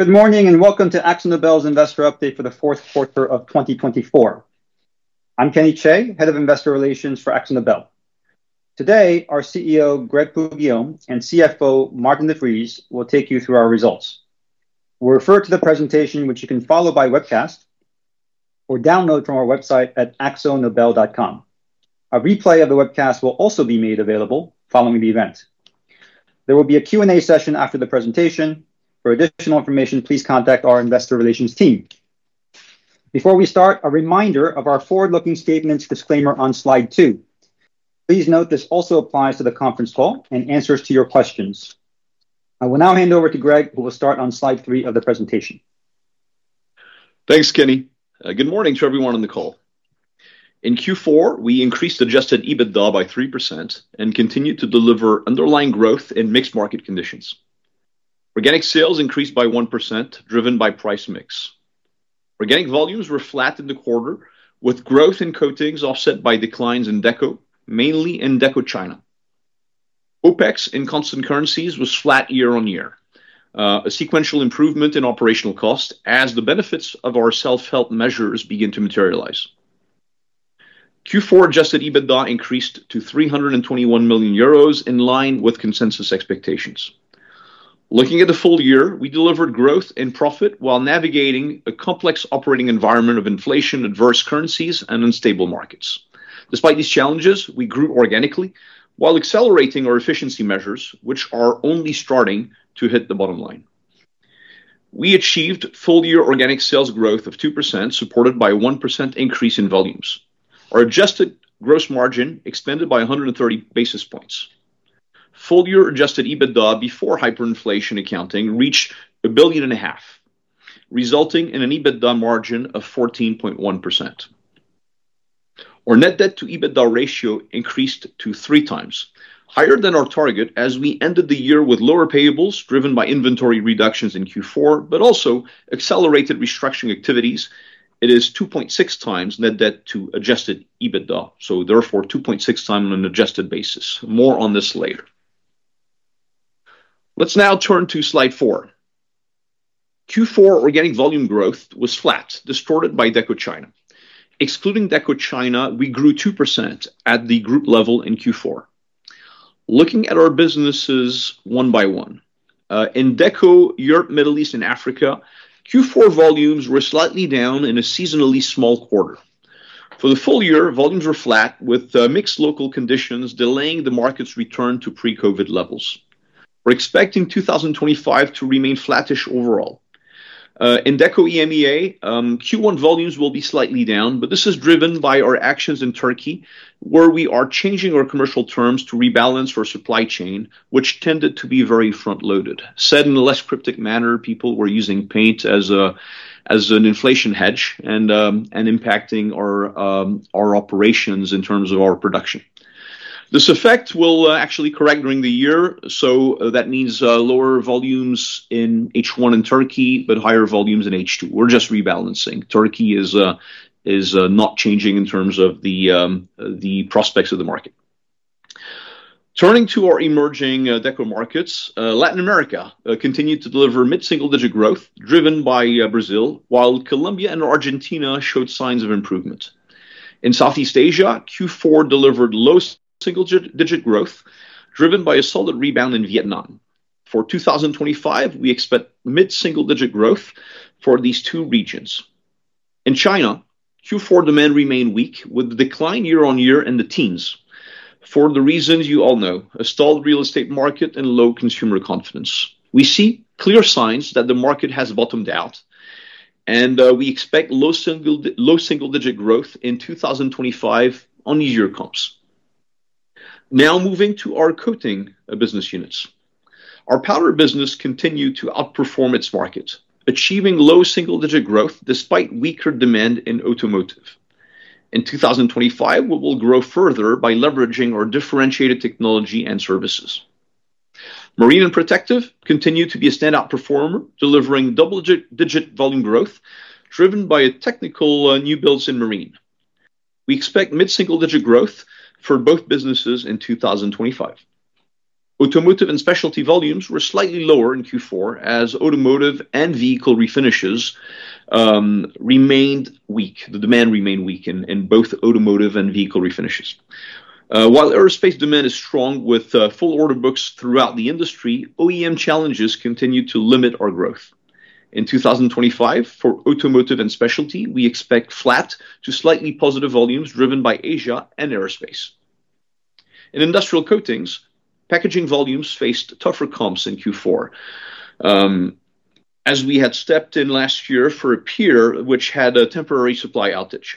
Good morning and welcome to AkzoNobel's investor update for the fourth quarter of 2024. I'm Kenny Chae, Head of Investor Relations for AkzoNobel. Today, our CEO, Grégoire Poux-Guillaume, and CFO, Maarten de Vries, will take you through our results. We'll refer to the presentation, which you can follow by webcast or download from our website at akzonobel.com. A replay of the webcast will also be made available following the event. There will be a Q&A session after the presentation. For additional information, please contact our Investor Relations team. Before we start, a reminder of our forward-looking statements disclaimer on slide two. Please note this also applies to the conference call and answers to your questions. I will now hand over to Grégoire, who will start on slide three of the presentation. Thanks, Kenny. Good morning to everyone on the call. In Q4, we increased Adjusted EBITDA by 3% and continued to deliver underlying growth in mixed market conditions. Organic sales increased by 1%, driven by price mix. Organic volumes were flat in the quarter, with growth in coatings offset by declines in Deco, mainly in Deco China. OpEx in constant currencies was flat year on year, a sequential improvement in operational cost as the benefits of our self-help measures begin to materialize. Q4 Adjusted EBITDA increased to 321 million euros in line with consensus expectations. Looking at the full year, we delivered growth in profit while navigating a complex operating environment of inflation, adverse currencies, and unstable markets. Despite these challenges, we grew organically while accelerating our efficiency measures, which are only starting to hit the bottom line. We achieved full-year organic sales growth of 2%, supported by a 1% increase in volumes. Our adjusted gross margin expanded by 130 basis points. Full-year Adjusted EBITDA before hyperinflation accounting reached 1.5 billion, resulting in an EBITDA margin of 14.1%. Our net debt to EBITDA ratio increased to 3x, higher than our target as we ended the year with lower payables driven by inventory reductions in Q4, but also accelerated restructuring activities. It is 2.6x net debt to Adjusted EBITDA, so therefore 2.6x on an adjusted basis. More on this later. Let's now turn to slide four. Q4 organic volume growth was flat, distorted by Deco China. Excluding Deco China, we grew 2% at the group level in Q4. Looking at our businesses one by one, in Deco, Europe, Middle East, and Africa, Q4 volumes were slightly down in a seasonally small quarter. For the full year, volumes were flat, with mixed local conditions delaying the market's return to pre-COVID levels. We're expecting 2025 to remain flattish overall. In Deco EMEA, Q1 volumes will be slightly down, but this is driven by our actions in Turkey, where we are changing our commercial terms to rebalance our supply chain, which tended to be very front-loaded. Said in a less cryptic manner, people were using paint as an inflation hedge and impacting our operations in terms of our production. This effect will actually correct during the year, so that means lower volumes in H1 in Turkey, but higher volumes in H2. We're just rebalancing. Turkey is not changing in terms of the prospects of the market. Turning to our emerging Deco markets, Latin America continued to deliver mid-single-digit growth driven by Brazil, while Colombia and Argentina showed signs of improvement. In Southeast Asia, Q4 delivered low single-digit growth driven by a solid rebound in Vietnam. For 2025, we expect mid-single-digit growth for these two regions. In China, Q4 demand remained weak, with the decline year on year in the teens for the reasons you all know: a stalled real estate market and low consumer confidence. We see clear signs that the market has bottomed out, and we expect low single-digit growth in 2025 on year comps. Now moving to our coating business units. Our Powder business continued to outperform its market, achieving low single-digit growth despite weaker demand in Automotive. In 2025, we will grow further by leveraging our differentiated technology and services. Marine and Protective continued to be a standout performer, delivering double-digit volume growth driven by technical new builds in Marine. We expect mid-single-digit growth for both businesses in 2025. Automotive and Specialty volumes were slightly lower in Q4, as Automotive and Vehicle Refinishes remained weak. The demand remained weak in both Automotive and Vehicle Refinishes. While Aerospace demand is strong with full order books throughout the industry, OEM challenges continued to limit our growth. In 2025, for Automotive and Specialty, we expect flat to slightly positive volumes driven by Asia and Aerospace. In Industrial Coatings, Packaging volumes faced tougher comps in Q4, as we had stepped in last year for a peer, which had a temporary supply outage.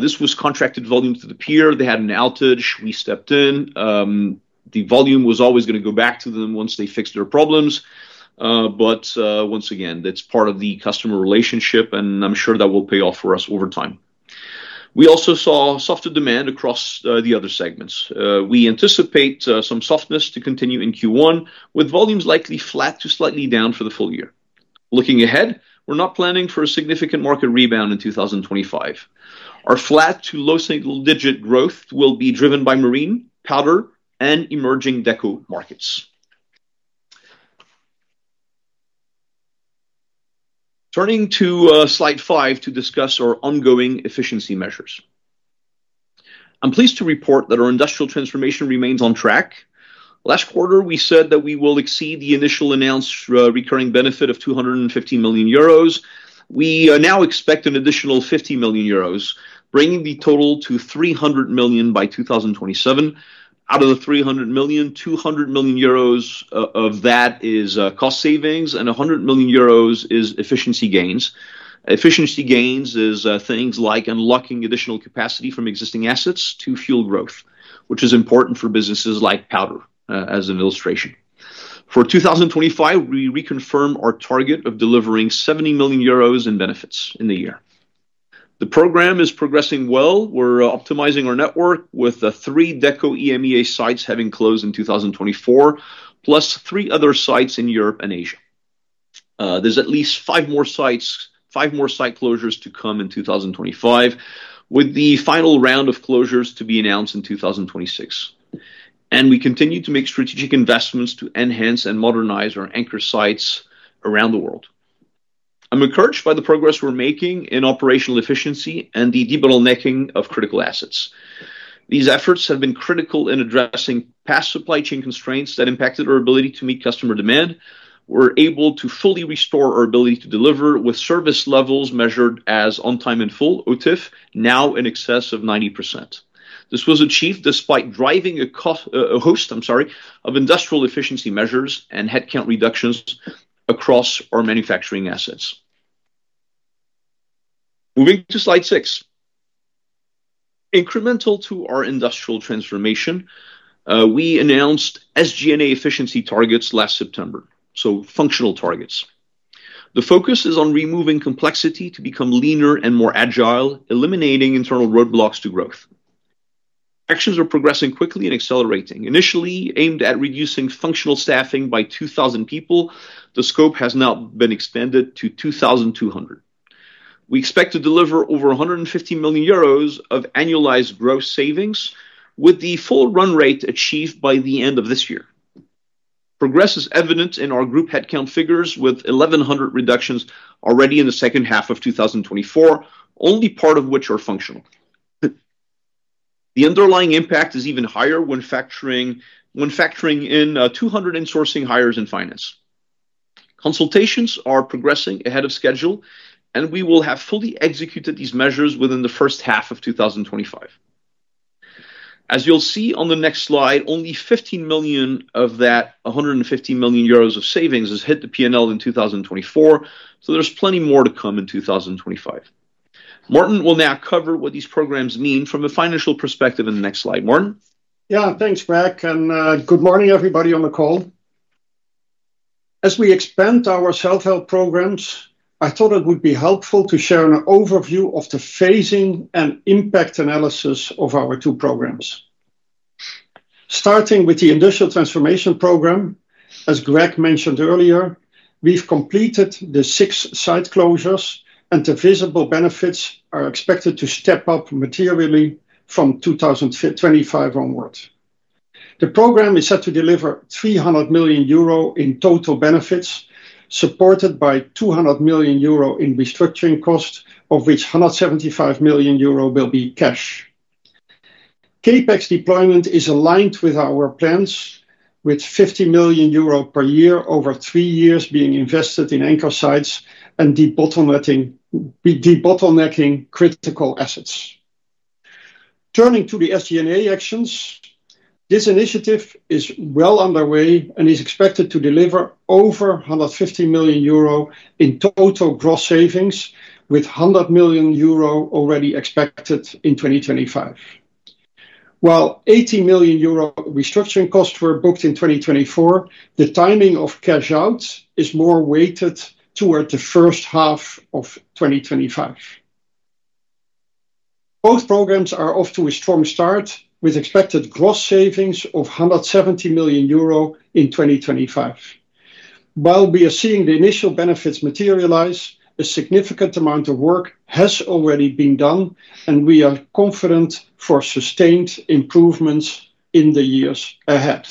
This was contracted volume to the peer. They had an outage. We stepped in. The volume was always going to go back to them once they fixed their problems. But once again, that's part of the customer relationship, and I'm sure that will pay off for us over time. We also saw softer demand across the other segments. We anticipate some softness to continue in Q1, with volumes likely flat to slightly down for the full year. Looking ahead, we're not planning for a significant market rebound in 2025. Our flat to low single-digit growth will be driven by Marine, Powder, and emerging Deco markets. Turning to slide five to discuss our ongoing efficiency measures. I'm pleased to report that our industrial transformation remains on track. Last quarter, we said that we will exceed the initial announced recurring benefit of 250 million euros. We now expect an additional 50 million euros, bringing the total to 300 million by 2027. Out of the 300 million, 200 million euros of that is cost savings, and 100 million euros is efficiency gains. Efficiency gains is things like unlocking additional capacity from existing assets to fuel growth, which is important for businesses like Powder, as an illustration. For 2025, we reconfirm our target of delivering 70 million euros in benefits in the year. The program is progressing well. We're optimizing our network, with three Deco EMEA sites having closed in 2024, plus three other sites in Europe and Asia. There's at least five more site closures to come in 2025, with the final round of closures to be announced in 2026. And we continue to make strategic investments to enhance and modernize our anchor sites around the world. I'm encouraged by the progress we're making in operational efficiency and the de-bottlenecking of critical assets. These efforts have been critical in addressing past supply chain constraints that impacted our ability to meet customer demand. We're able to fully restore our ability to deliver, with service levels measured as on time and full, OTIF, now in excess of 90%. This was achieved despite driving a host of industrial efficiency measures and headcount reductions across our manufacturing assets. Moving to slide six. Incremental to our industrial transformation, we announced SG&A efficiency targets last September, so functional targets. The focus is on removing complexity to become leaner and more agile, eliminating internal roadblocks to growth. Actions are progressing quickly and accelerating. Initially aimed at reducing functional staffing by 2,000 people, the scope has now been expanded to 2,200. We expect to deliver over 150 million euros of annualized growth savings, with the full run rate achieved by the end of this year. Progress is evident in our group headcount figures, with 1,100 reductions already in the second half of 2024, only part of which are functional. The underlying impact is even higher when factoring in 200 in-sourcing hires in finance. Consultations are progressing ahead of schedule, and we will have fully executed these measures within the first half of 2025. As you'll see on the next slide, only 15 million of that 150 million euros of savings has hit the P&L in 2024, so there's plenty more to come in 2025. Maarten will now cover what these programs mean from a financial perspective in the next slide. Maarten? Yeah, thanks, Grég, and good morning, everybody on the call. As we expand our self-help programs, I thought it would be helpful to share an overview of the phasing and impact analysis of our two programs. Starting with the Industrial Transformation Program, as Grég mentioned earlier, we've completed the six site closures, and the visible benefits are expected to step up materially from 2025 onward. The program is set to deliver 300 million euro in total benefits, supported by 200 million euro in restructuring costs, of which 175 million euro will be cash. CapEx deployment is aligned with our plans, with 50 million euro per year over three years being invested in anchor sites and de-bottlenecking critical assets. Turning to the SG&A actions, this initiative is well underway and is expected to deliver over 150 million euro in total gross savings, with 100 million euro already expected in 2025. While 80 million euro restructuring costs were booked in 2024, the timing of cash-out is more weighted toward the first half of 2025. Both programs are off to a strong start, with expected gross savings of 170 million euro in 2025. While we are seeing the initial benefits materialize, a significant amount of work has already been done, and we are confident for sustained improvements in the years ahead.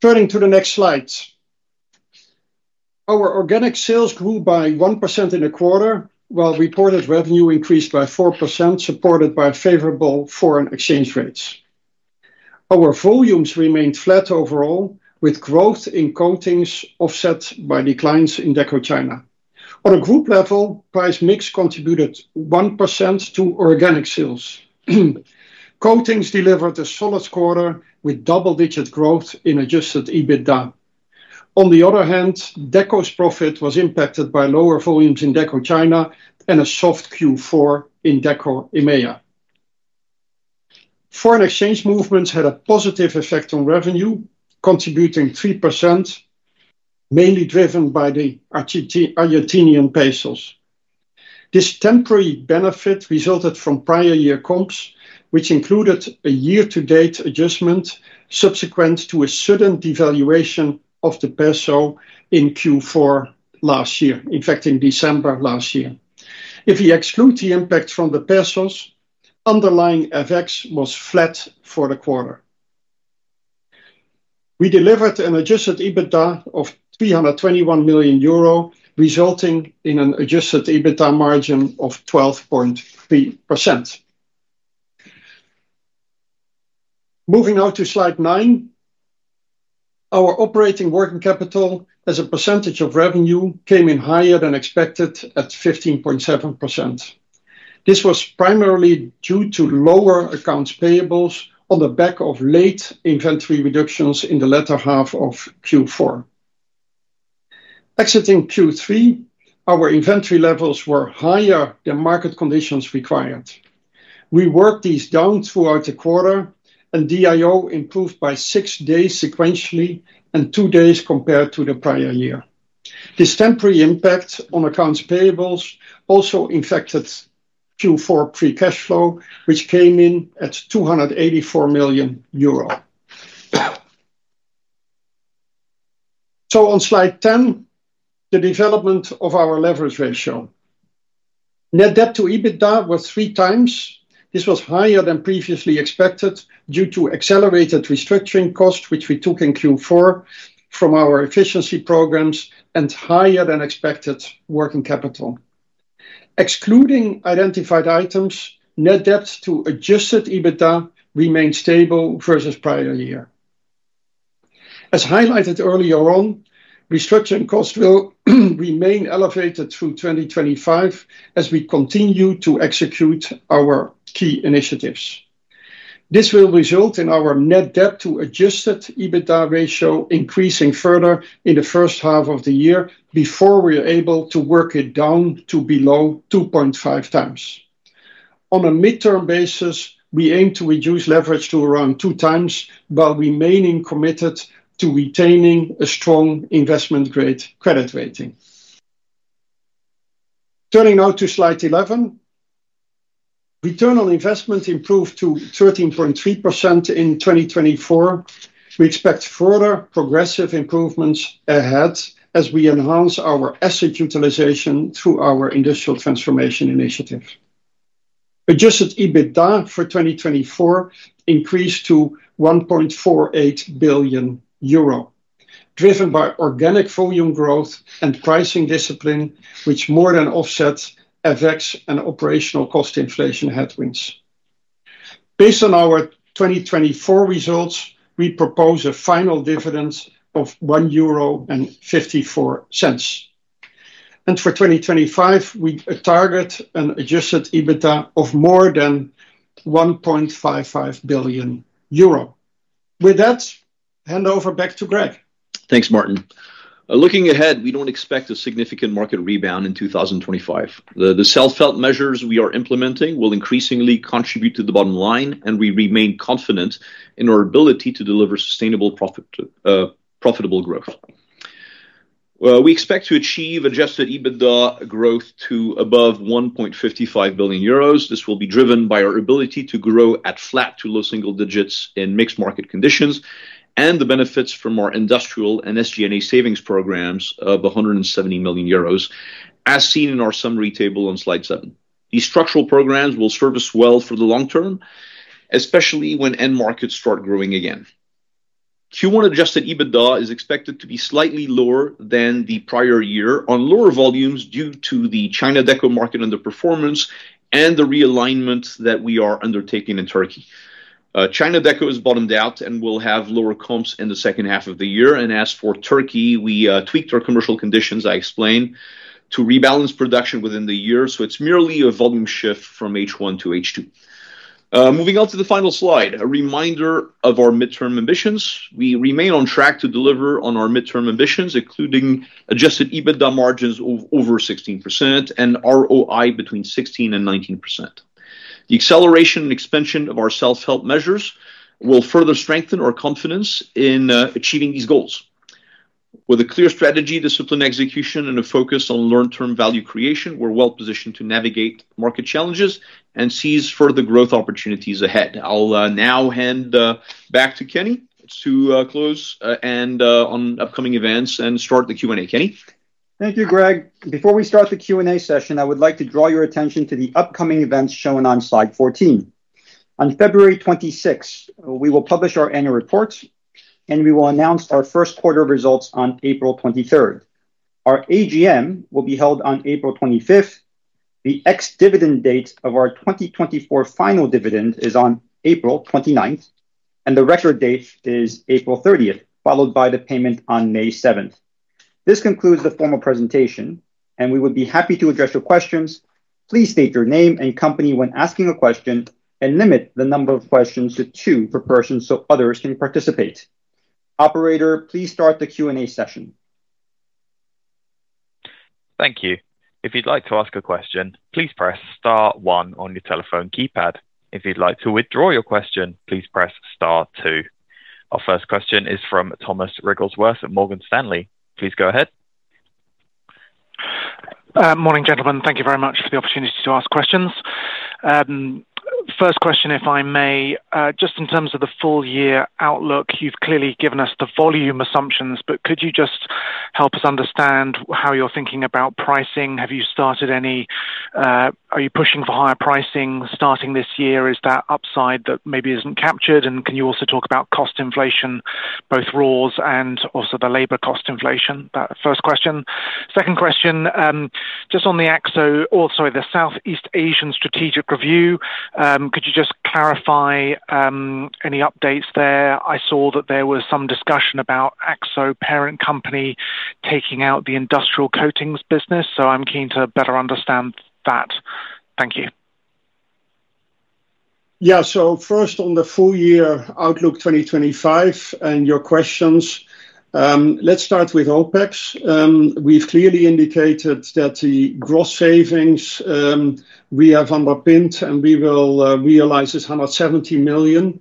Turning to the next slide. Our organic sales grew by 1% in the quarter, while reported revenue increased by 4%, supported by favorable foreign exchange rates. Our volumes remained flat overall, with growth in coatings offset by declines in Deco China. On a group level, price mix contributed 1% to organic sales. Coatings delivered a solid quarter with double-digit growth in Adjusted EBITDA. On the other hand, Deco's profit was impacted by lower volumes in Deco China and a soft Q4 in Deco EMEA. Foreign exchange movements had a positive effect on revenue, contributing 3%, mainly driven by the Argentine pesos. This temporary benefit resulted from prior year comps, which included a year-to-date adjustment subsequent to a sudden devaluation of the peso in Q4 last year, in fact, in December last year. If we exclude the impact from the pesos, underlying FX was flat for the quarter. We delivered an Adjusted EBITDA of 321 million euro, resulting in an Adjusted EBITDA margin of 12.3%. Moving now to slide nine, our operating working capital as a percentage of revenue came in higher than expected at 15.7%. This was primarily due to lower accounts payables on the back of late inventory reductions in the latter half of Q4. Exiting Q3, our inventory levels were higher than market conditions required. We worked these down throughout the quarter, and DIO improved by six days sequentially and two days compared to the prior year. This temporary impact on accounts payables also affected Q4 free cash flow, which came in at 284 million euro. So on slide ten, the development of our leverage ratio. Net debt to EBITDA was three times. This was higher than previously expected due to accelerated restructuring costs, which we took in Q4 from our efficiency programs and higher than expected working capital. Excluding identified items, net debt to Adjusted EBITDA remained stable versus prior year. As highlighted earlier on, restructuring costs will remain elevated through 2025 as we continue to execute our key initiatives. This will result in our net debt to Adjusted EBITDA ratio increasing further in the first half of the year before we are able to work it down to below 2.5x. On a midterm basis, we aim to reduce leverage to around 2x while remaining committed to retaining a strong investment-grade credit rating. Turning now to slide 11, return on investment improved to 13.3% in 2024. We expect further progressive improvements ahead as we enhance our asset utilization through our industrial transformation initiative. Adjusted EBITDA for 2024 increased to 1.48 billion euro, driven by organic volume growth and pricing discipline, which more than offsets FX and operational cost inflation headwinds. Based on our 2024 results, we propose a final dividend of 1.54 euro. For 2025, we target an Adjusted EBITDA of more than 1.55 billion euro. With that, hand over back to Grég. Thanks, Maarten. Looking ahead, we don't expect a significant market rebound in 2025. The self-help measures we are implementing will increasingly contribute to the bottom line, and we remain confident in our ability to deliver sustainable profitable growth. We expect to achieve Adjusted EBITDA growth to above 1.55 billion euros. This will be driven by our ability to grow at flat to low single digits in mixed market conditions and the benefits from our industrial and SG&A savings programs of 170 million euros, as seen in our summary table on slide seven. These structural programs will serve us well for the long term, especially when end markets start growing again. Q1 Adjusted EBITDA is expected to be slightly lower than the prior year on lower volumes due to the China Deco market underperformance and the realignment that we are undertaking in Turkey. China Deco is bottomed out and will have lower comps in the second half of the year. And as for Turkey, we tweaked our commercial conditions, I explained, to rebalance production within the year. So it's merely a volume shift from H1 to H2. Moving on to the final slide, a reminder of our midterm ambitions. We remain on track to deliver on our midterm ambitions, including Adjusted EBITDA margins of over 16% and ROI between 16% and 19%. The acceleration and expansion of our self-help measures will further strengthen our confidence in achieving these goals. With a clear strategy, disciplined execution, and a focus on long-term value creation, we're well positioned to navigate market challenges and seize further growth opportunities ahead. I'll now hand back to Kenny to close and on upcoming events and start the Q&A. Kenny? Thank you, Grég. Before we start the Q&A session, I would like to draw your attention to the upcoming events shown on slide 14. On February 26, we will publish our annual reports, and we will announce our first quarter results on April 23. Our AGM will be held on April 25. The ex-dividend date of our 2024 final dividend is on April 29, and the record date is April 30, followed by the payment on May 7. This concludes the formal presentation, and we would be happy to address your questions. Please state your name and company when asking a question and limit the number of questions to two per person so others can participate. Operator, please start the Q&A session. Thank you. If you'd like to ask a question, please press star one on your telephone keypad. If you'd like to withdraw your question, please press star two. Our first question is from Thomas Wrigglesworth at Morgan Stanley. Please go ahead. Morning, gentlemen. Thank you very much for the opportunity to ask questions. First question, if I may, just in terms of the full year outlook, you've clearly given us the volume assumptions, but could you just help us understand how you're thinking about pricing? Have you started any? Are you pushing for higher pricing starting this year? Is that upside that maybe isn't captured? And can you also talk about cost inflation, both raws and also the labor cost inflation? That's the first question. Second question, just on the Akzo, or sorry, the Southeast Asian Strategic Review, could you just clarify any updates there? I saw that there was some discussion about Akzo parent company taking out the Industrial Coatings business, so I'm keen to better understand that. Thank you. Yeah, so first on the full year outlook 2025 and your questions, let's start with OpEx. We've clearly indicated that the gross savings we have underpinned and we will realize is 170 million.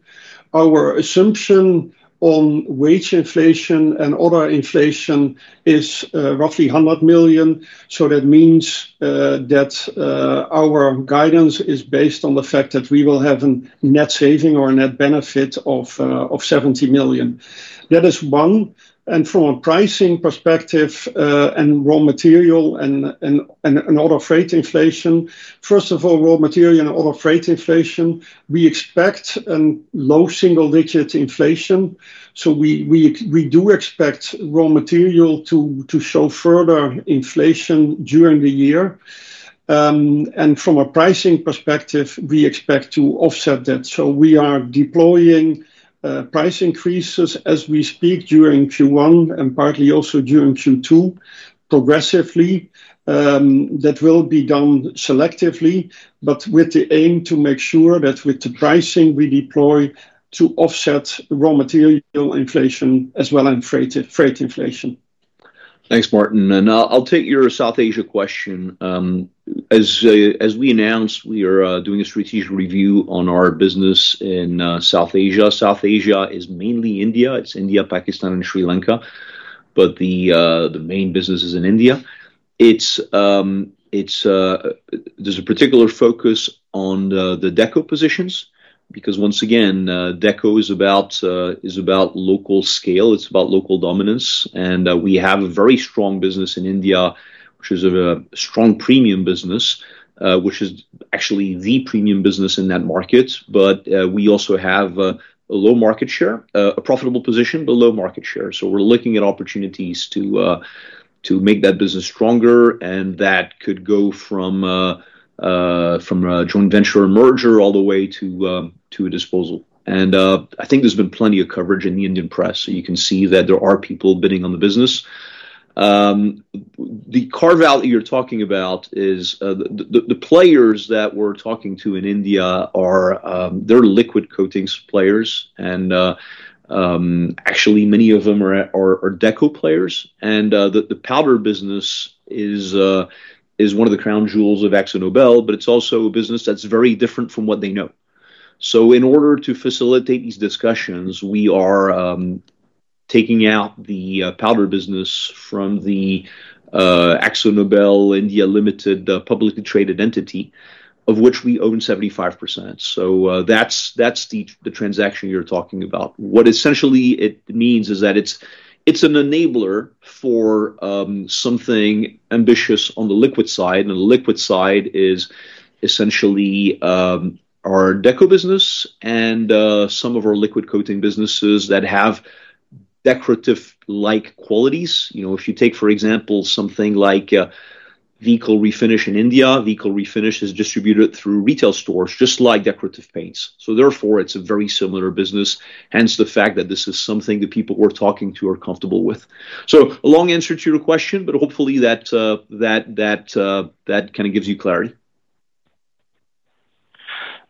Our assumption on wage inflation and other inflation is roughly 100 million. So that means that our guidance is based on the fact that we will have a net saving or a net benefit of 70 million. That is one, and from a pricing perspective and raw material and other freight inflation, first of all, raw material and other freight inflation, we expect a low single-digit inflation. So we do expect raw material to show further inflation during the year. And from a pricing perspective, we expect to offset that. So we are deploying price increases as we speak during Q1 and partly also during Q2 progressively. That will be done selectively, but with the aim to make sure that with the pricing we deploy to offset raw material inflation as well as freight inflation. Thanks, Maarten, and I'll take your South Asia question. As we announced, we are doing a strategic review on our business in South Asia. South Asia is mainly India. It's India, Pakistan, and Sri Lanka, but the main business is in India. There's a particular focus on the Deco positions because, once again, Deco is about local scale. It's about local dominance. And we have a very strong business in India, which is a strong premium business, which is actually the premium business in that market. But we also have a low market share, a profitable position, but low market share. So we're looking at opportunities to make that business stronger, and that could go from a joint venture or merger all the way to a disposal. I think there's been plenty of coverage in the Indian press, so you can see that there are people bidding on the business. The carve-out you're talking about is the players that we're talking to in India, they're liquid coatings players. And actually, many of them are Deco players. And the Powder business is one of the crown jewels of AkzoNobel, but it's also a business that's very different from what they know. So in order to facilitate these discussions, we are taking out the Powder business from the Akzo Nobel India Limited publicly traded entity, of which we own 75%. So that's the transaction you're talking about. What essentially it means is that it's an enabler for something ambitious on the liquid side. And the liquid side is essentially our Deco business and some of our liquid coating businesses that have decorative-like qualities. If you take, for example, something like vehicle refinish in India, vehicle refinish is distributed through retail stores just like decorative paints. So therefore, it's a very similar business, hence the fact that this is something that people who are talking to are comfortable with. So a long answer to your question, but hopefully that kind of gives you clarity.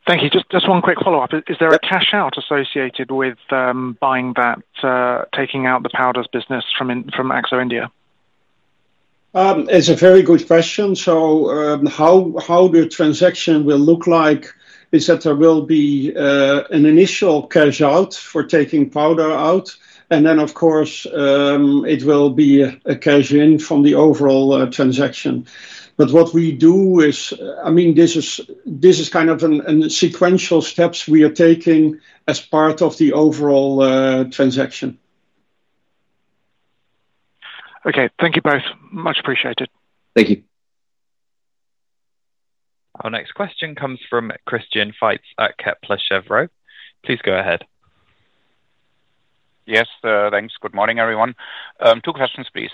Thank you. Just one quick follow-up. Is there a cash-out associated with buying that, taking out the Powders business from Akzo India? It's a very good question. So how the transaction will look like is that there will be an initial cash-out for taking Powder out. And then, of course, it will be a cash-in from the overall transaction. But what we do is, I mean, this is kind of a sequential steps we are taking as part of the overall transaction. Okay. Thank you both. Much appreciated. Thank you. Our next question comes from Christian Faitz at Kepler Cheuvreux. Please go ahead. Yes, thanks. Good morning, everyone. Two questions, please.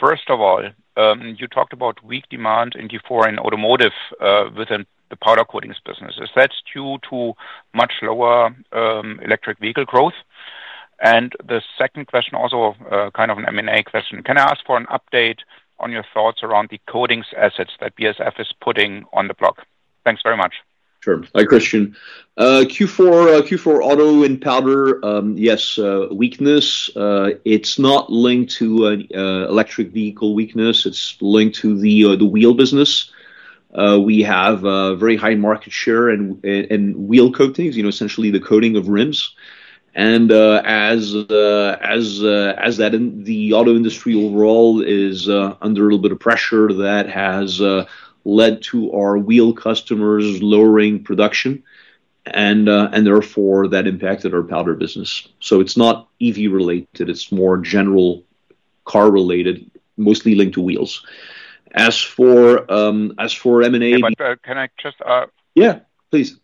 First of all, you talked about weak demand in Q4 in Automotive within the Powder coatings business. Is that due to much lower electric vehicle growth? And the second question, also kind of an M&A question, can I ask for an update on your thoughts around the coatings assets that BASF is putting on the block? Thanks very much. Sure. Hi, Christian. Q4 auto and Powder, yes, weakness. It's not linked to electric vehicle weakness. It's linked to the wheel business. We have a very high market share in wheel coatings, essentially the coating of rims. And as that, the auto industry overall is under a little bit of pressure that has led to our wheel customers lowering production. And therefore, that impacted our Powder business. So it's not EV-related. It's more general car-related, mostly linked to wheels. As for M&A. Can I just? Yeah, please.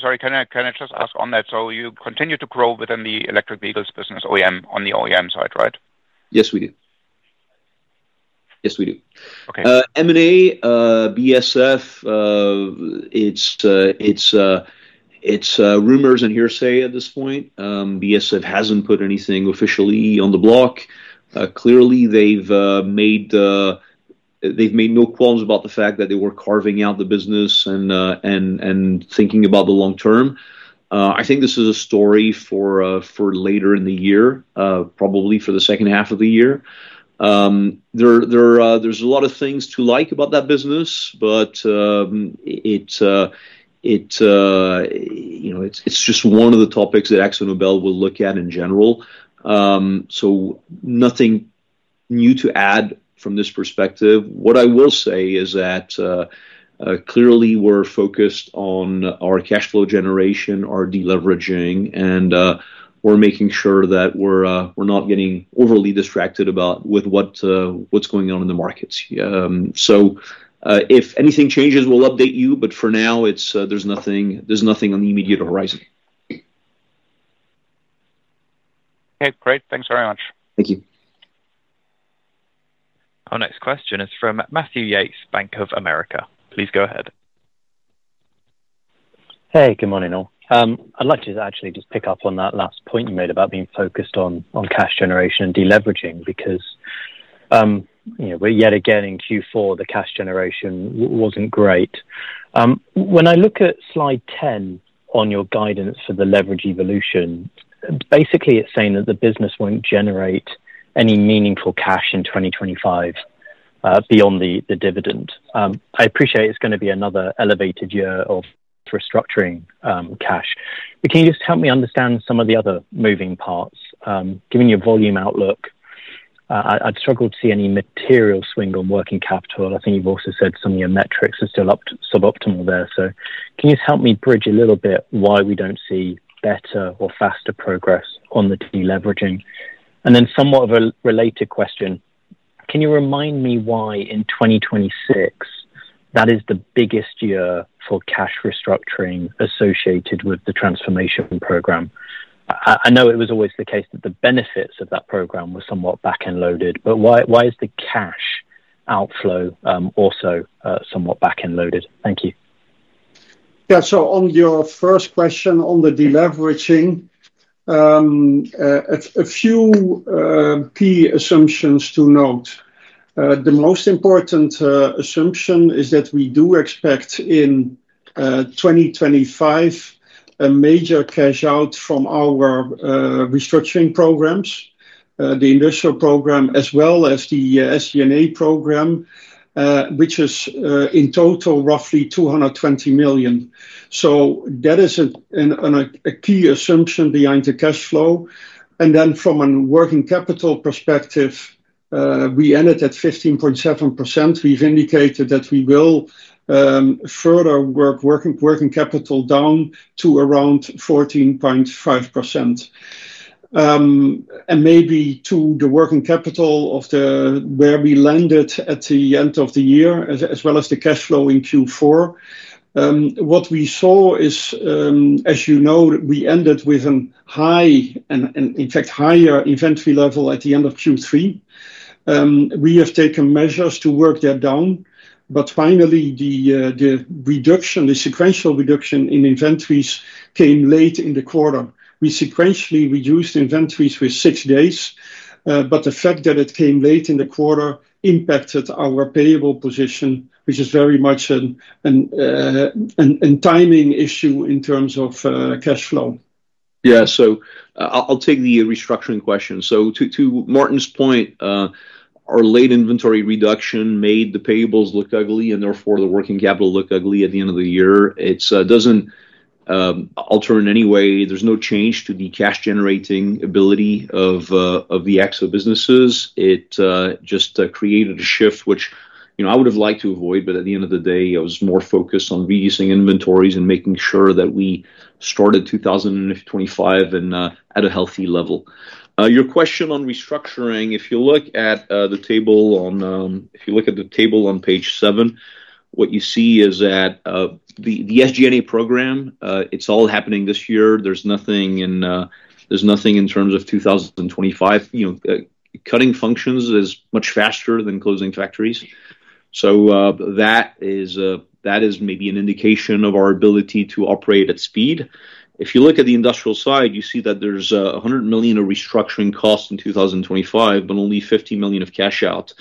Sorry, can I just ask on that? So you continue to grow within the electric vehicles business on the OEM side, right? Yes, we do. Yes, we do. M&A BASF, it's rumors and hearsay at this point. BASF hasn't put anything officially on the block. Clearly, they've made no qualms about the fact that they were carving out the business and thinking about the long term. I think this is a story for later in the year, probably for the second half of the year. There's a lot of things to like about that business, but it's just one of the topics that AkzoNobel will look at in general. So nothing new to add from this perspective. What I will say is that clearly, we're focused on our cash flow generation, our deleveraging, and we're making sure that we're not getting overly distracted with what's going on in the markets. So if anything changes, we'll update you. But for now, there's nothing on the immediate horizon. Okay. Great. Thanks very much. Thank you. Our next question is from Matthew Yates, Bank of America. Please go ahead. Hey, good morning, all. I'd like to actually just pick up on that last point you made about being focused on cash generation and deleveraging because yet again in Q4, the cash generation wasn't great. When I look at slide 10 on your guidance for the leverage evolution, basically, it's saying that the business won't generate any meaningful cash in 2025 beyond the dividend. I appreciate it's going to be another elevated year of restructuring cash. But can you just help me understand some of the other moving parts? Given your volume outlook, I'd struggle to see any material swing on working capital. I think you've also said some of your metrics are still suboptimal there. So can you just help me bridge a little bit why we don't see better or faster progress on the deleveraging? And then somewhat of a related question. Can you remind me why in 2026 that is the biggest year for cash restructuring associated with the transformation program? I know it was always the case that the benefits of that program were somewhat back-end loaded, but why is the cash outflow also somewhat back-end loaded? Thank you. Yeah. So on your first question on the deleveraging, a few key assumptions to note. The most important assumption is that we do expect in 2025 a major cash-out from our restructuring programs, the initial program, as well as the SG&A program, which is in total roughly 220 million. So that is a key assumption behind the cash flow. And then from a working capital perspective, we ended at 15.7%. We've indicated that we will further work working capital down to around 14.5%. And maybe to the working capital of where we landed at the end of the year, as well as the cash flow in Q4. What we saw is, as you know, we ended with a high, in fact, higher inventory level at the end of Q3. We have taken measures to work that down. But finally, the reduction, the sequential reduction in inventories came late in the quarter. We sequentially reduced inventories with six days. But the fact that it came late in the quarter impacted our payable position, which is very much a timing issue in terms of cash flow. Yeah. So I'll take the restructuring question. So to Maarten's point, our late inventory reduction made the payables look ugly, and therefore, the working capital looked ugly at the end of the year. It doesn't alter in any way. There's no change to the cash-generating ability of the Akzo businesses. It just created a shift, which I would have liked to avoid. But at the end of the day, I was more focused on reducing inventories and making sure that we started 2025 at a healthy level. Your question on restructuring, if you look at the table on page seven, what you see is that the SG&A program, it's all happening this year. There's nothing in terms of 2025. Cutting functions is much faster than closing factories. So that is maybe an indication of our ability to operate at speed. If you look at the industrial side, you see that there's 100 million of restructuring costs in 2025, but only 50 million of cash-out.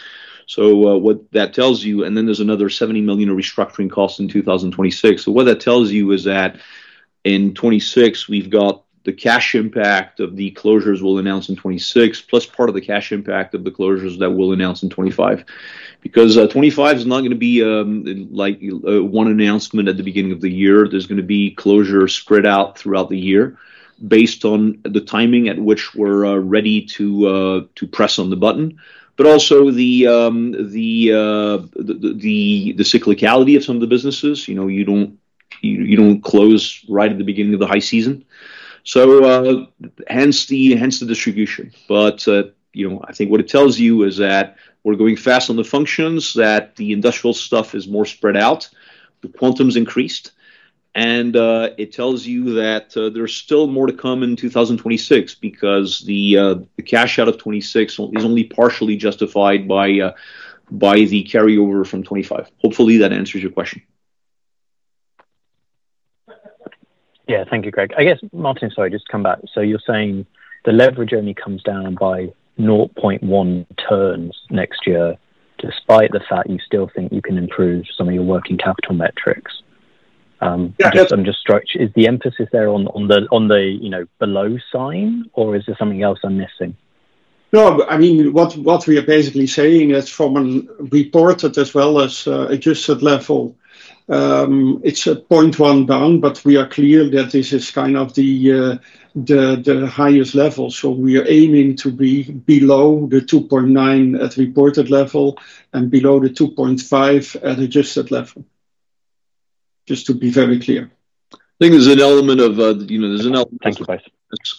So what that tells you and then there's another 70 million of restructuring costs in 2026. So what that tells you is that in 2026, we've got the cash impact of the closures we'll announce in 2026, plus part of the cash impact of the closures that we'll announce in 2025. Because 2025 is not going to be one announcement at the beginning of the year. There's going to be closures spread out throughout the year based on the timing at which we're ready to press on the button. But also the cyclicality of some of the businesses. You don't close right at the beginning of the high season. So hence the distribution. But I think what it tells you is that we're going fast on the functions, that the industrial stuff is more spread out, the quantum's increased. And it tells you that there's still more to come in 2026 because the cash-out of 2026 is only partially justified by the carryover from 2025. Hopefully, that answers your question. Yeah. Thank you, Grégoire. I guess, Maarten, sorry, just to come back. So you're saying the leverage only comes down by 0.1 turns next year, despite the fact you still think you can improve some of your working capital metrics. I'm just struck. Is the emphasis there on the below sign, or is there something else I'm missing? No. I mean, what we are basically saying is from a reported as well as adjusted level. It's a 0.1 down, but we are clear that this is kind of the highest level. So we are aiming to be below the 2.9 at reported level and below the 2.5 at adjusted level, just to be very clear. I think there's an element of.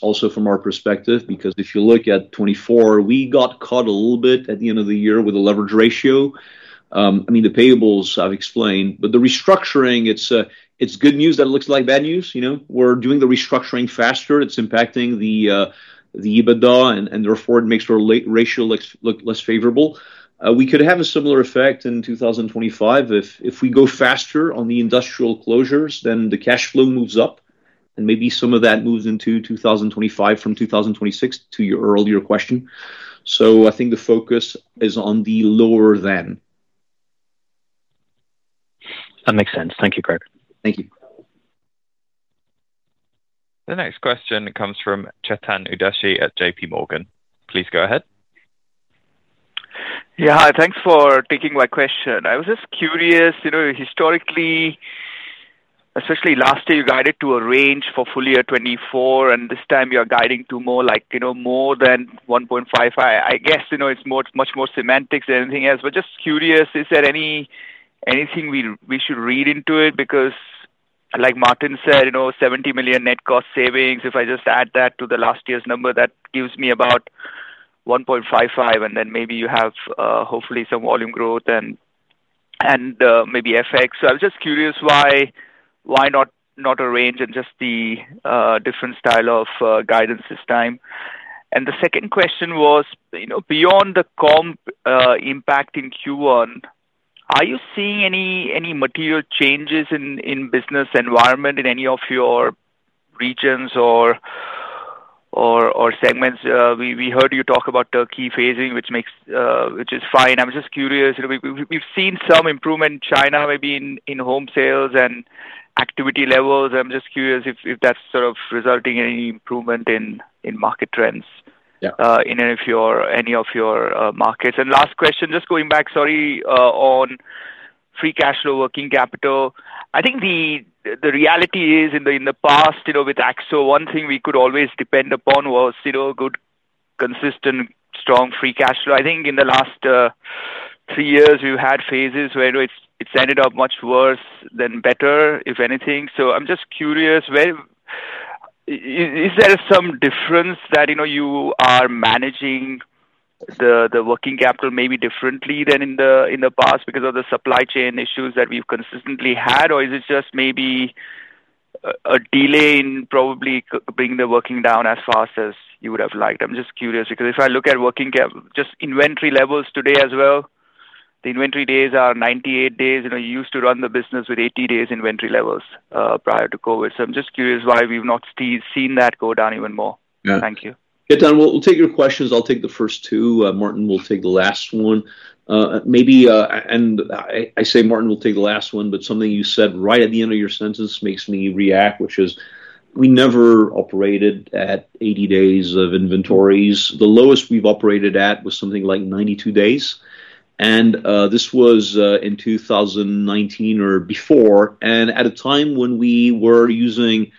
Also from our perspective, because if you look at 2024, we got caught a little bit at the end of the year with a leverage ratio. I mean, the payables, I've explained. But the restructuring, it's good news that it looks like bad news. We're doing the restructuring faster. It's impacting the EBITDA, and therefore, it makes our leverage ratio look less favorable. We could have a similar effect in 2025. If we go faster on the industrial closures, then the cash flow moves up. And maybe some of that moves into 2025 from 2026 to your earlier question. So I think the focus is on the lower than. That makes sense. Thank you, Grég. Thank you. The next question comes from Chetan Udeshi at J.P. Morgan. Please go ahead. Yeah. Hi. Thanks for taking my question. I was just curious, historically, especially last year, you guided to a range for full year 2024, and this time you are guiding to more than 1.5. I guess it's much more semantics than anything else. But just curious, is there anything we should read into it? Because like Maarten said, 70 million net cost savings, if I just add that to the last year's number, that gives me about 1.55. And then maybe you have, hopefully, some volume growth and maybe FX. So I was just curious why not a range and just the different style of guidance this time. And the second question was, beyond the comp impact in Q1, are you seeing any material changes in business environment in any of your regions or segments? We heard you talk about Turkey phasing, which is fine. I'm just curious. We've seen some improvement in China, maybe in home sales and activity levels. I'm just curious if that's sort of resulting in any improvement in market trends in any of your markets. And last question, just going back, sorry, on free cash flow, working capital. I think the reality is in the past, with Akzo, one thing we could always depend upon was good, consistent, strong free cash flow. I think in the last three years, we've had phases where it's ended up much worse than better, if anything. So I'm just curious, is there some difference that you are managing the working capital maybe differently than in the past because of the supply chain issues that we've consistently had, or is it just maybe a delay in probably bringing the working capital down as fast as you would have liked? I'm just curious because if I look at working capital inventory levels today as well, the inventory days are 98 days. You used to run the business with 80-day inventory levels prior to COVID. So I'm just curious why we've not seen that go down even more? Thank you. Chetan, we'll take your questions. I'll take the first two. Maarten will take the last one, and I say Maarten will take the last one, but something you said right at the end of your sentence makes me react, which is we never operated at 80 days of inventories. The lowest we've operated at was something like 92 days. And this was in 2019 or before. And at a time when we were using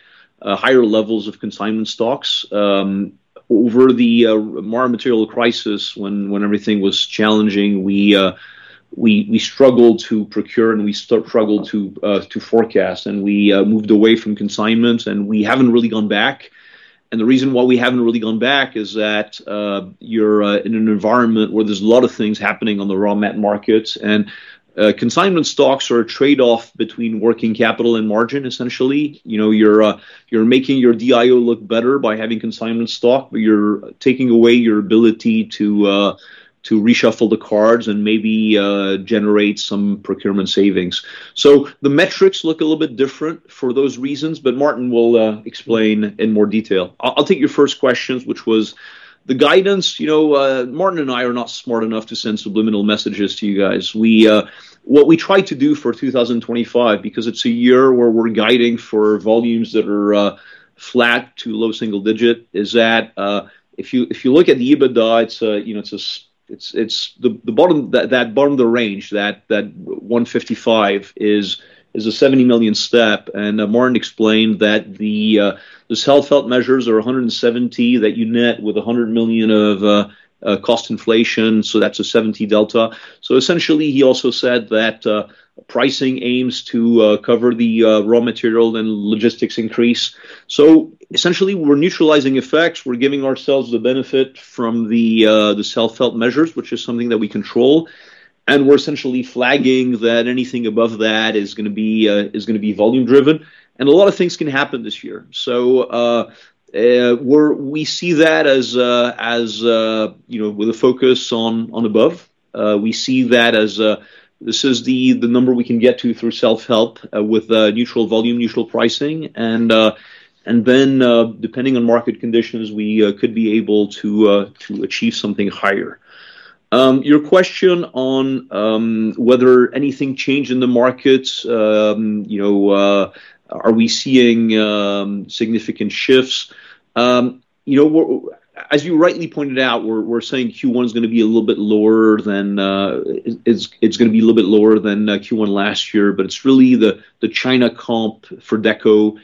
higher levels of consignment stocks, over the raw material crisis, when everything was challenging, we struggled to procure and we struggled to forecast. And we moved away from consignments, and we haven't really gone back. And the reason why we haven't really gone back is that you're in an environment where there's a lot of things happening on the raw material markets. And consignment stocks are a trade-off between working capital and margin, essentially. You're making your DIO look better by having consignment stock, but you're taking away your ability to reshuffle the cards and maybe generate some procurement savings. So the metrics look a little bit different for those reasons, but Maarten will explain in more detail. I'll take your first question, which was the guidance. Maarten and I are not smart enough to send subliminal messages to you guys. What we tried to do for 2025, because it's a year where we're guiding for volumes that are flat to low single digit, is that if you look at the EBITDA, it's the bottom of the range, that 155 million is a 70 million step. And Maarten explained that the self-help measures are 170 million that you net with 100 million of cost inflation. So that's a 70 million delta. So essentially, he also said that pricing aims to cover the raw material and logistics increase. So essentially, we're neutralizing effects. We're giving ourselves the benefit from the self-help measures, which is something that we control. And we're essentially flagging that anything above that is going to be volume-driven. And a lot of things can happen this year. So we see that as with a focus on above. We see that as this is the number we can get to through self-help with neutral volume, neutral pricing. And then depending on market conditions, we could be able to achieve something higher. Your question on whether anything changed in the markets, are we seeing significant shifts? As you rightly pointed out, we're saying Q1 is going to be a little bit lower than Q1 last year, but it's really the China comp for Deco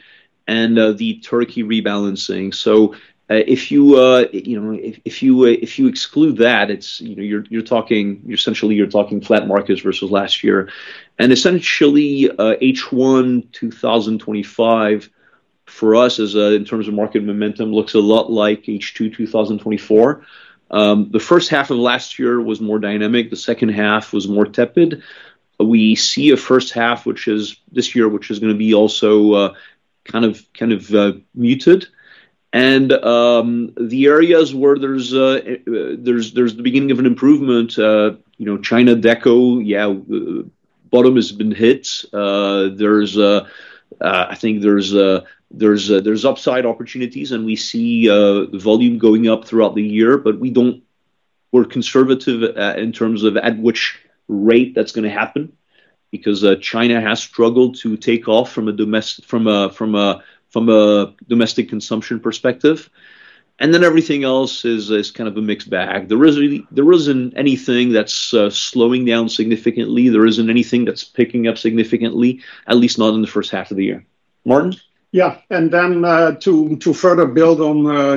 and the Turkey rebalancing. So if you exclude that, you're essentially talking flat markets versus last year. And essentially, H1 2025 for us, in terms of market momentum, looks a lot like H2 2024. The first half of last year was more dynamic. The second half was more tepid. We see a first half, which is this year, which is going to be also kind of muted. And the areas where there's the beginning of an improvement, China Deco, yeah, bottom has been hit. I think there's upside opportunities, and we see volume going up throughout the year. But we're conservative in terms of at which rate that's going to happen because China has struggled to take off from a domestic consumption perspective. And then everything else is kind of a mixed bag. There isn't anything that's slowing down significantly. There isn't anything that's picking up significantly, at least not in the first half of the year. Maarten? Yeah. And then, to further build on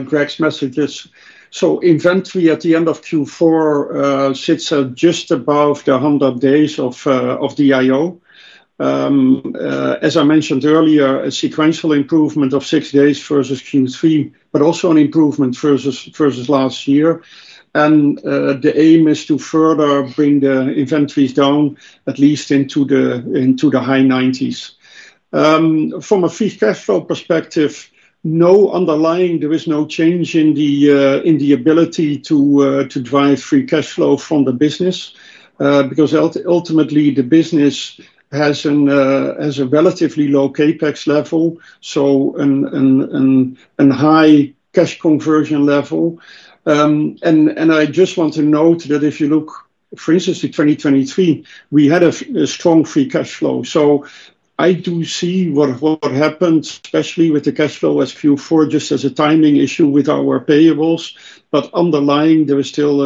Grég's messages, so inventory at the end of Q4 sits just above the 100 days of DIO. As I mentioned earlier, a sequential improvement of six days versus Q3, but also an improvement versus last year. And the aim is to further bring the inventories down, at least into the high 90s. From a free cash flow perspective, no underlying; there is no change in the ability to drive free cash flow from the business because ultimately, the business has a relatively low CAPEX level, so a high cash conversion level. And I just want to note that if you look, for instance, to 2023, we had a strong free cash flow. So I do see what happened, especially with the cash flow in Q4, just as a timing issue with our payables. But underlying, there was still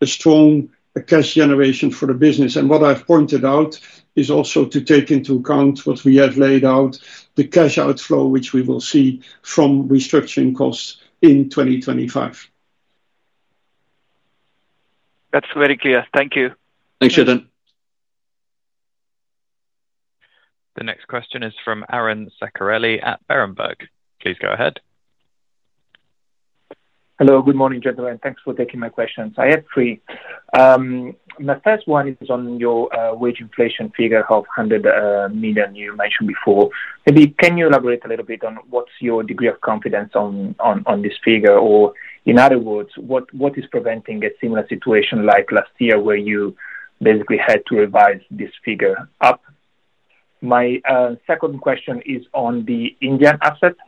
a strong cash generation for the business. And what I've pointed out is also to take into account what we have laid out, the cash outflow, which we will see from restructuring costs in 2025. That's very clear. Thank you. Thanks, Chetan. The next question is from Aron Ceccarelli at Berenberg. Please go ahead. Hello. Good morning, Chetan. Thanks for taking my questions. I have three. My first one is on your wage inflation figure of 100 million you mentioned before. Maybe can you elaborate a little bit on what's your degree of confidence on this figure? Or in other words, what is preventing a similar situation like last year where you basically had to revise this figure up? My second question is on the Indian assets,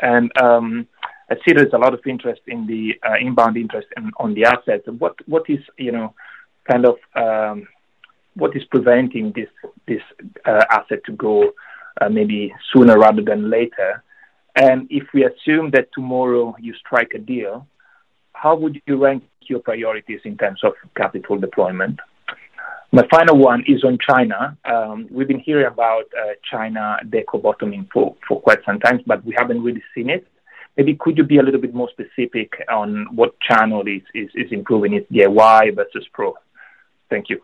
and I see there's a lot of interest in the inbound interest on the assets. What is kind of preventing this asset to go maybe sooner rather than later, and if we assume that tomorrow you strike a deal, how would you rank your priorities in terms of capital deployment? My final one is on China. We've been hearing about China Deco bottoming for quite some time, but we haven't really seen it. Maybe could you be a little bit more specific on what channel is improving its DIY versus pro? Thank you.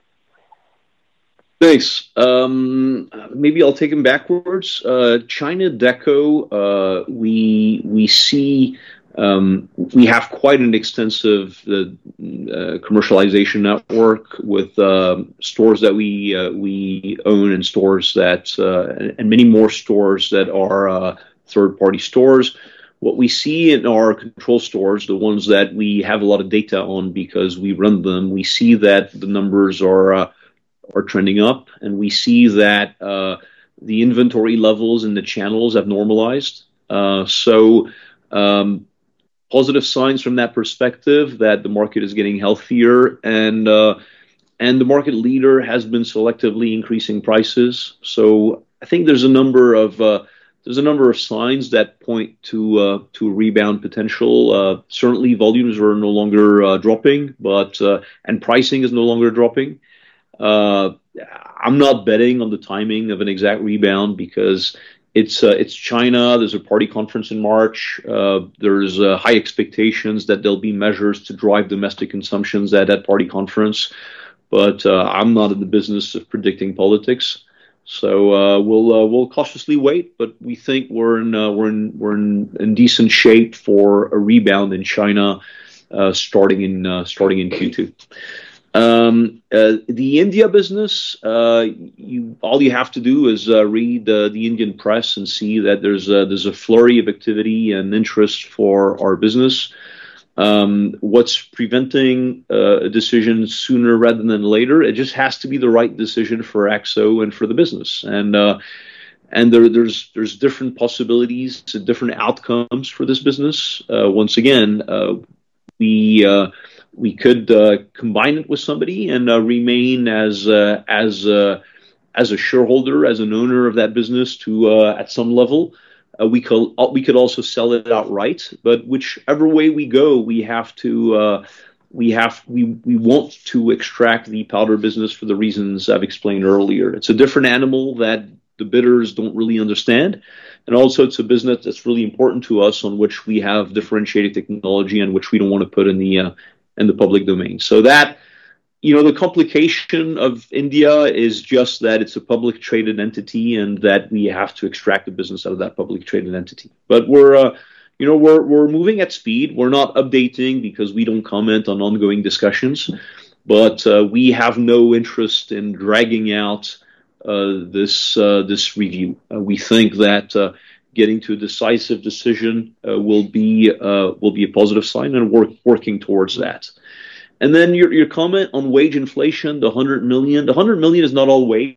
Thanks. Maybe I'll take them backwards. China Deco, we have quite an extensive commercialization network with stores that we own and many more stores that are third-party stores. What we see in our control stores, the ones that we have a lot of data on because we run them, we see that the numbers are trending up. And we see that the inventory levels in the channels have normalized. So positive signs from that perspective that the market is getting healthier. And the market leader has been selectively increasing prices. So I think there's a number of signs that point to rebound potential. Certainly, volumes are no longer dropping, and pricing is no longer dropping. I'm not betting on the timing of an exact rebound because it's China. There's a party conference in March. There's high expectations that there'll be measures to drive domestic consumption at that party conference. But I'm not in the business of predicting politics. So we'll cautiously wait, but we think we're in decent shape for a rebound in China starting in Q2. The India business, all you have to do is read the Indian press and see that there's a flurry of activity and interest for our business. What's preventing a decision sooner rather than later? It just has to be the right decision for Akzo and for the business. And there's different possibilities. Different outcomes for this business. Once again, we could combine it with somebody and remain as a shareholder, as an owner of that business to at some level. We could also sell it outright. But whichever way we go, we have to, we won't extract the Powder business for the reasons I've explained earlier. It's a different animal that the bidders don't really understand. And also, it's a business that's really important to us on which we have differentiated technology and which we don't want to put in the public domain. So the complication of India is just that it's a publicly traded entity and that we have to extract the business out of that publicly traded entity. But we're moving at speed. We're not updating because we don't comment on ongoing discussions. But we have no interest in dragging out this review. We think that getting to a decisive decision will be a positive sign and we're working towards that. And then your comment on wage inflation, the 100 million, the 100 million is not all wage.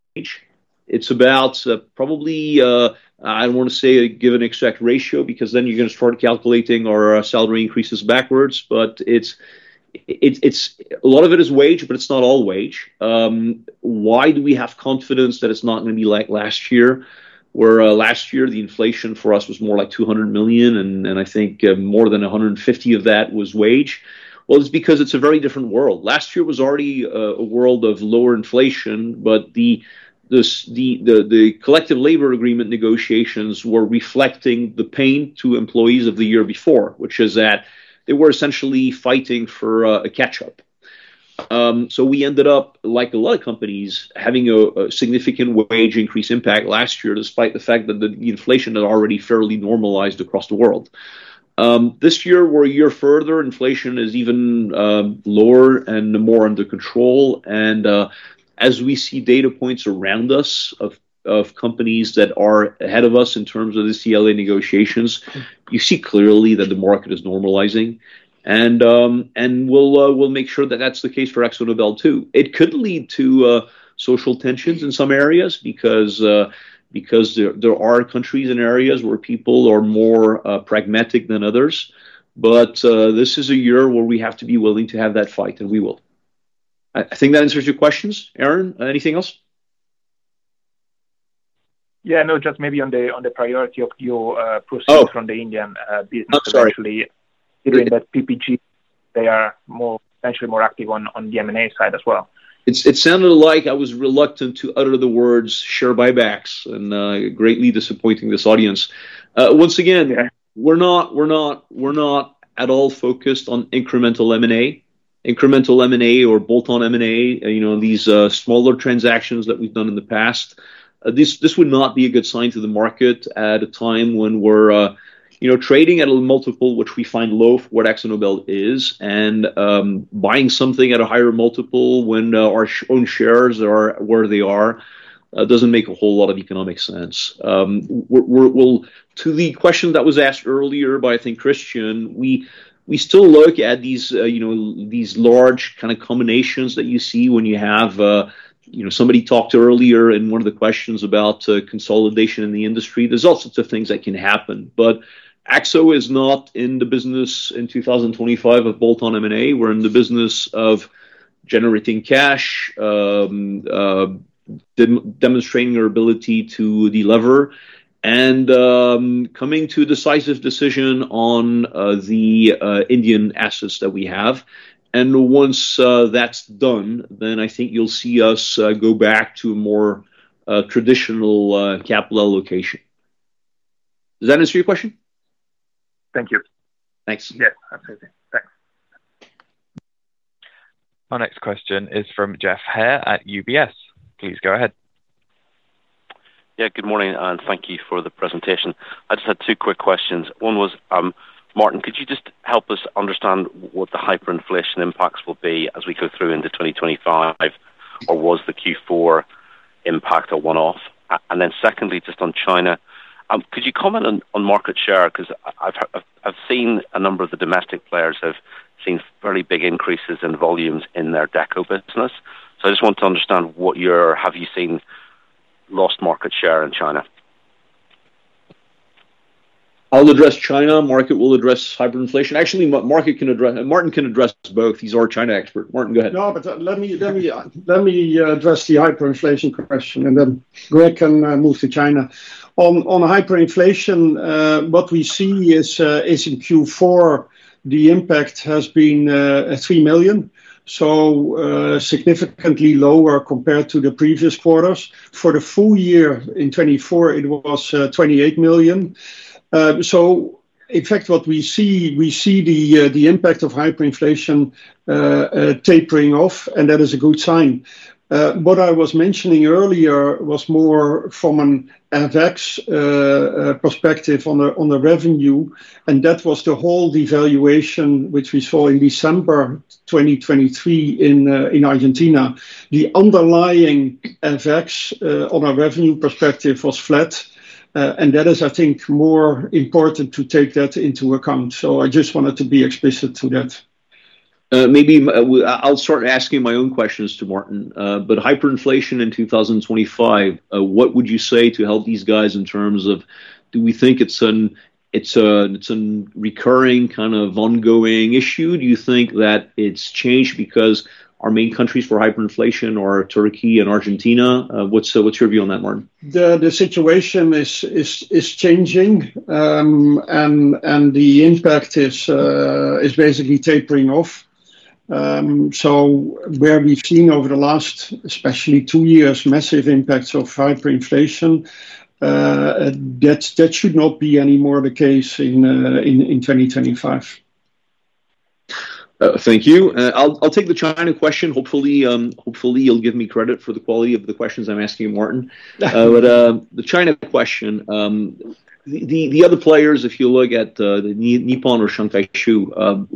It's about probably I don't want to say give an exact ratio because then you're going to start calculating our salary increases backwards. But a lot of it is wage, but it's not all wage. Why do we have confidence that it's not going to be like last year where last year the inflation for us was more like 200 million and I think more than 150 million of that was wage? Well, it's because it's a very different world. Last year was already a world of lower inflation, but the collective labor agreement negotiations were reflecting the pain to employees of the year before, which is that they were essentially fighting for a catch-up. So we ended up, like a lot of companies, having a significant wage increase impact last year despite the fact that the inflation had already fairly normalized across the world. This year, we're a year further. Inflation is even lower and more under control. And as we see data points around us of companies that are ahead of us in terms of the CLA negotiations, you see clearly that the market is normalizing. And we'll make sure that that's the case for AkzoNobel too. It could lead to social tensions in some areas because there are countries and areas where people are more pragmatic than others. But this is a year where we have to be willing to have that fight, and we will. I think that answers your questions, Aron. Anything else? Yeah. No, just maybe on the priority of your proceeds from the Indian business, especially considering that PPG, they are potentially more active on the M&A side as well? It sounded like I was reluctant to utter the words share buybacks and greatly disappointing this audience. Once again, we're not at all focused on incremental M&A, incremental M&A or bolt-on M&A, these smaller transactions that we've done in the past. This would not be a good sign to the market at a time when we're trading at a multiple, which we find low for what AkzoNobel is, and buying something at a higher multiple when our own shares are where they are doesn't make a whole lot of economic sense. To the question that was asked earlier by, I think, Christian, we still look at these large kind of combinations that you see when you have somebody talked earlier in one of the questions about consolidation in the industry. There's all sorts of things that can happen. But AkzoNobel is not in the business in 2025 of bolt-on M&A. We're in the business of generating cash, demonstrating our ability to deliver, and coming to a decisive decision on the Indian assets that we have. And once that's done, then I think you'll see us go back to a more traditional capital allocation. Does that answer your question? Thank you. Thanks. Yes. Absolutely. Thanks. Our next question is from Geoff Haire at UBS. Please go ahead. Yeah. Good morning, and thank you for the presentation. I just had two quick questions. One was, Maarten, could you just help us understand what the hyperinflation impacts will be as we go through into 2025? Or was the Q4 impact a one-off? And then secondly, just on China, could you comment on market share? Because I've seen a number of the domestic players have seen fairly big increases in volumes in their Deco business. So I just want to understand whether you've seen lost market share in China? I'll address China. Maarten will address hyperinflation. Actually, Maarten can address both. He's our China expert. Maarten, go ahead. No, but let me address the hyperinflation question, and then Grég can move to China. On hyperinflation, what we see is in Q4, the impact has been 3 million, so significantly lower compared to the previous quarters. For the full year in 2024, it was 28 million. So in fact, what we see, we see the impact of hyperinflation tapering off, and that is a good sign. What I was mentioning earlier was more from an FX perspective on the revenue, and that was the whole devaluation which we saw in December 2023 in Argentina. The underlying FX on our revenue perspective was flat, and that is, I think, more important to take that into account. So I just wanted to be explicit to that. Maybe I'll start asking my own questions to Maarten. But hyperinflation in 2025, what would you say to help these guys in terms of do we think it's a recurring kind of ongoing issue? Do you think that it's changed because our main countries for hyperinflation are Turkey and Argentina? What's your view on that, Maarten? The situation is changing, and the impact is basically tapering off. So where we've seen over the last, especially two years, massive impacts of hyperinflation, that should not be any more the case in 2025. Thank you. I'll take the China question. Hopefully, you'll give me credit for the quality of the questions I'm asking you, Maarten. But the China question, the other players, if you look at Nippon or Sankeshu,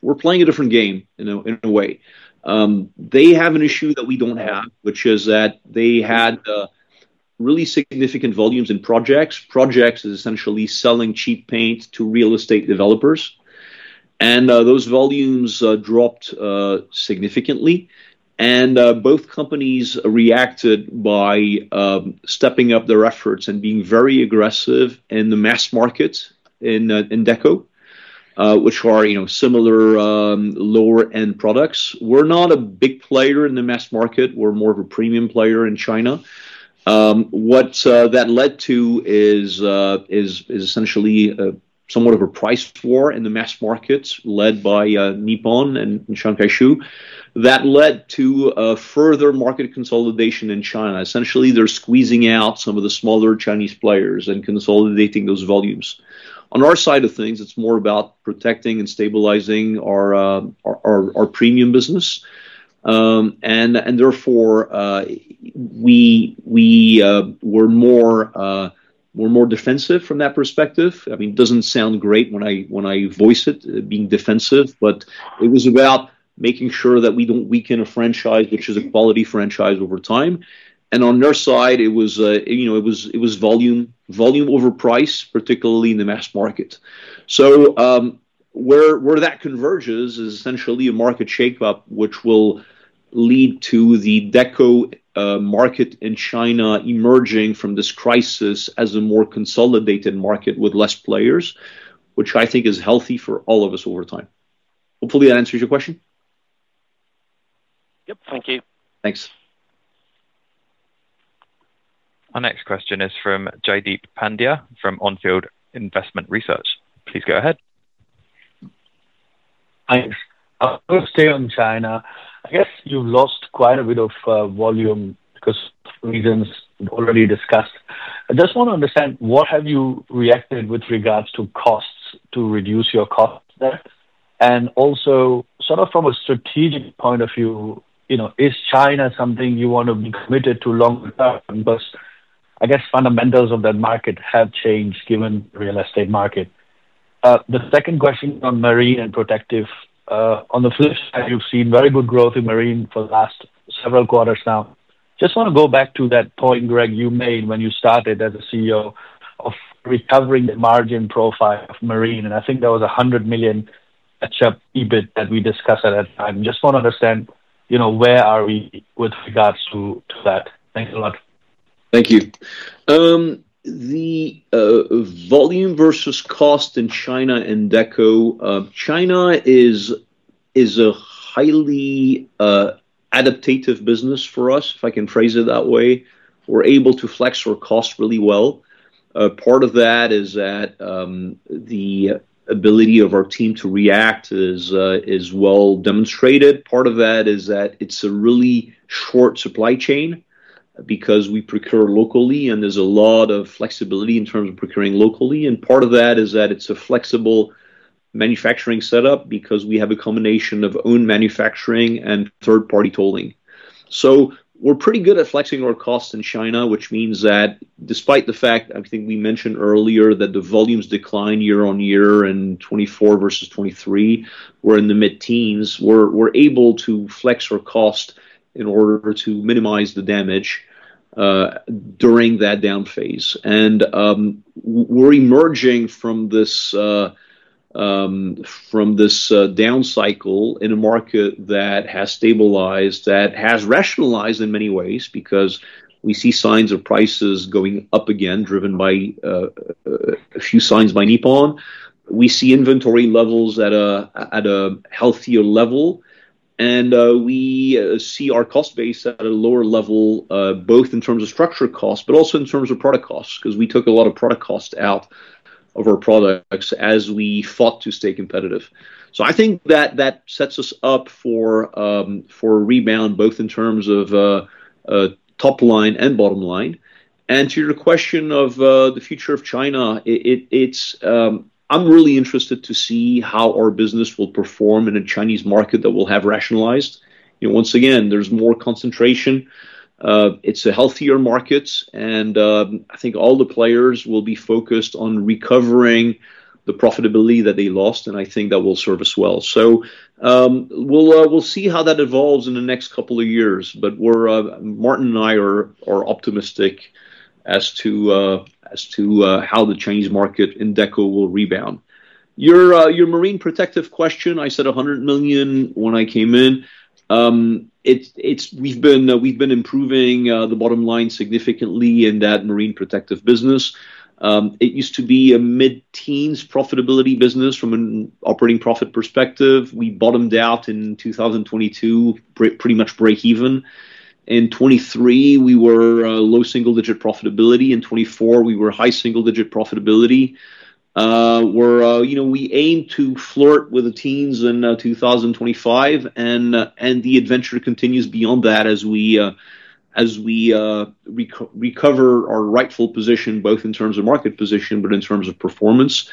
we're playing a different game in a way. They have an issue that we don't have, which is that they had really significant volumes in projects. Projects is essentially selling cheap paint to real estate developers. And those volumes dropped significantly. And both companies reacted by stepping up their efforts and being very aggressive in the mass market in Deco, which are similar lower-end products. We're not a big player in the mass market. We're more of a premium player in China. What that led to is essentially somewhat of a price war in the mass markets led by Nippon and Sankeshu. That led to further market consolidation in China. Essentially, they're squeezing out some of the smaller Chinese players and consolidating those volumes. On our side of things, it's more about protecting and stabilizing our premium business, and therefore we were more defensive from that perspective. I mean, it doesn't sound great when I voice it being defensive, but it was about making sure that we don't weaken a franchise, which is a quality franchise over time, and on their side it was volume over price, particularly in the mass market, so where that converges is essentially a market shake-up, which will lead to the Deco market in China emerging from this crisis as a more consolidated market with less players, which I think is healthy for all of us over time. Hopefully, that answers your question. Yep. Thank you. Thanks. Our next question is from Jaideep Pandya from On Field Investment Research. Please go ahead. Thanks. I'll stay on China. I guess you've lost quite a bit of volume because of reasons we've already discussed. I just want to understand what have you reacted with regards to costs to reduce your costs there? And also, sort of from a strategic point of view, is China something you want to be committed to longer term? Because I guess fundamentals of that market have changed given the real estate market. The second question on Marine and Protective. On the flip side, you've seen very good growth in Marine for the last several quarters now. Just want to go back to that point, Grég, you made when you started as a CEO of recovering the margin profile of Marine. And I think there was a 100 million EBIT that we discussed at that time. Just want to understand where are we with regards to that. Thanks a lot. Thank you. The volume versus cost in China and Deco. China is a highly adaptive business for us, if I can phrase it that way. We're able to flex our costs really well. Part of that is that the ability of our team to react is well demonstrated. Part of that is that it's a really short supply chain because we procure locally, and there's a lot of flexibility in terms of procuring locally. And part of that is that it's a flexible manufacturing setup because we have a combination of own manufacturing and third-party tolling. So we're pretty good at flexing our costs in China, which means that despite the fact, I think we mentioned earlier, that the volumes decline year on year in 2024 versus 2023, we're in the mid-teens, we're able to flex our costs in order to minimize the damage during that down phase. We're emerging from this down cycle in a market that has stabilized, that has rationalized in many ways because we see signs of prices going up again, driven by a few signs by Nippon. We see inventory levels at a healthier level, and we see our cost base at a lower level, both in terms of structural costs, but also in terms of product costs because we took a lot of product costs out of our products as we fought to stay competitive. I think that sets us up for a rebound, both in terms of top line and bottom line. To your question of the future of China, I'm really interested to see how our business will perform in a Chinese market that will have rationalized. Once again, there's more concentration. It's a healthier market, and I think all the players will be focused on recovering the profitability that they lost, and I think that will serve us well. So we'll see how that evolves in the next couple of years, but Maarten and I are optimistic as to how the Chinese market in Deco will rebound. Your Marine protective question, I said 100 million when I came in. We've been improving the bottom line significantly in that Marine protective business. It used to be a mid-teens profitability business from an operating profit perspective. We bottomed out in 2022, pretty much break even. In 2023, we were low single-digit profitability. In 2024, we were high single-digit profitability. We aim to flirt with the teens in 2025, and the adventure continues beyond that as we recover our rightful position, both in terms of market position, but in terms of performance.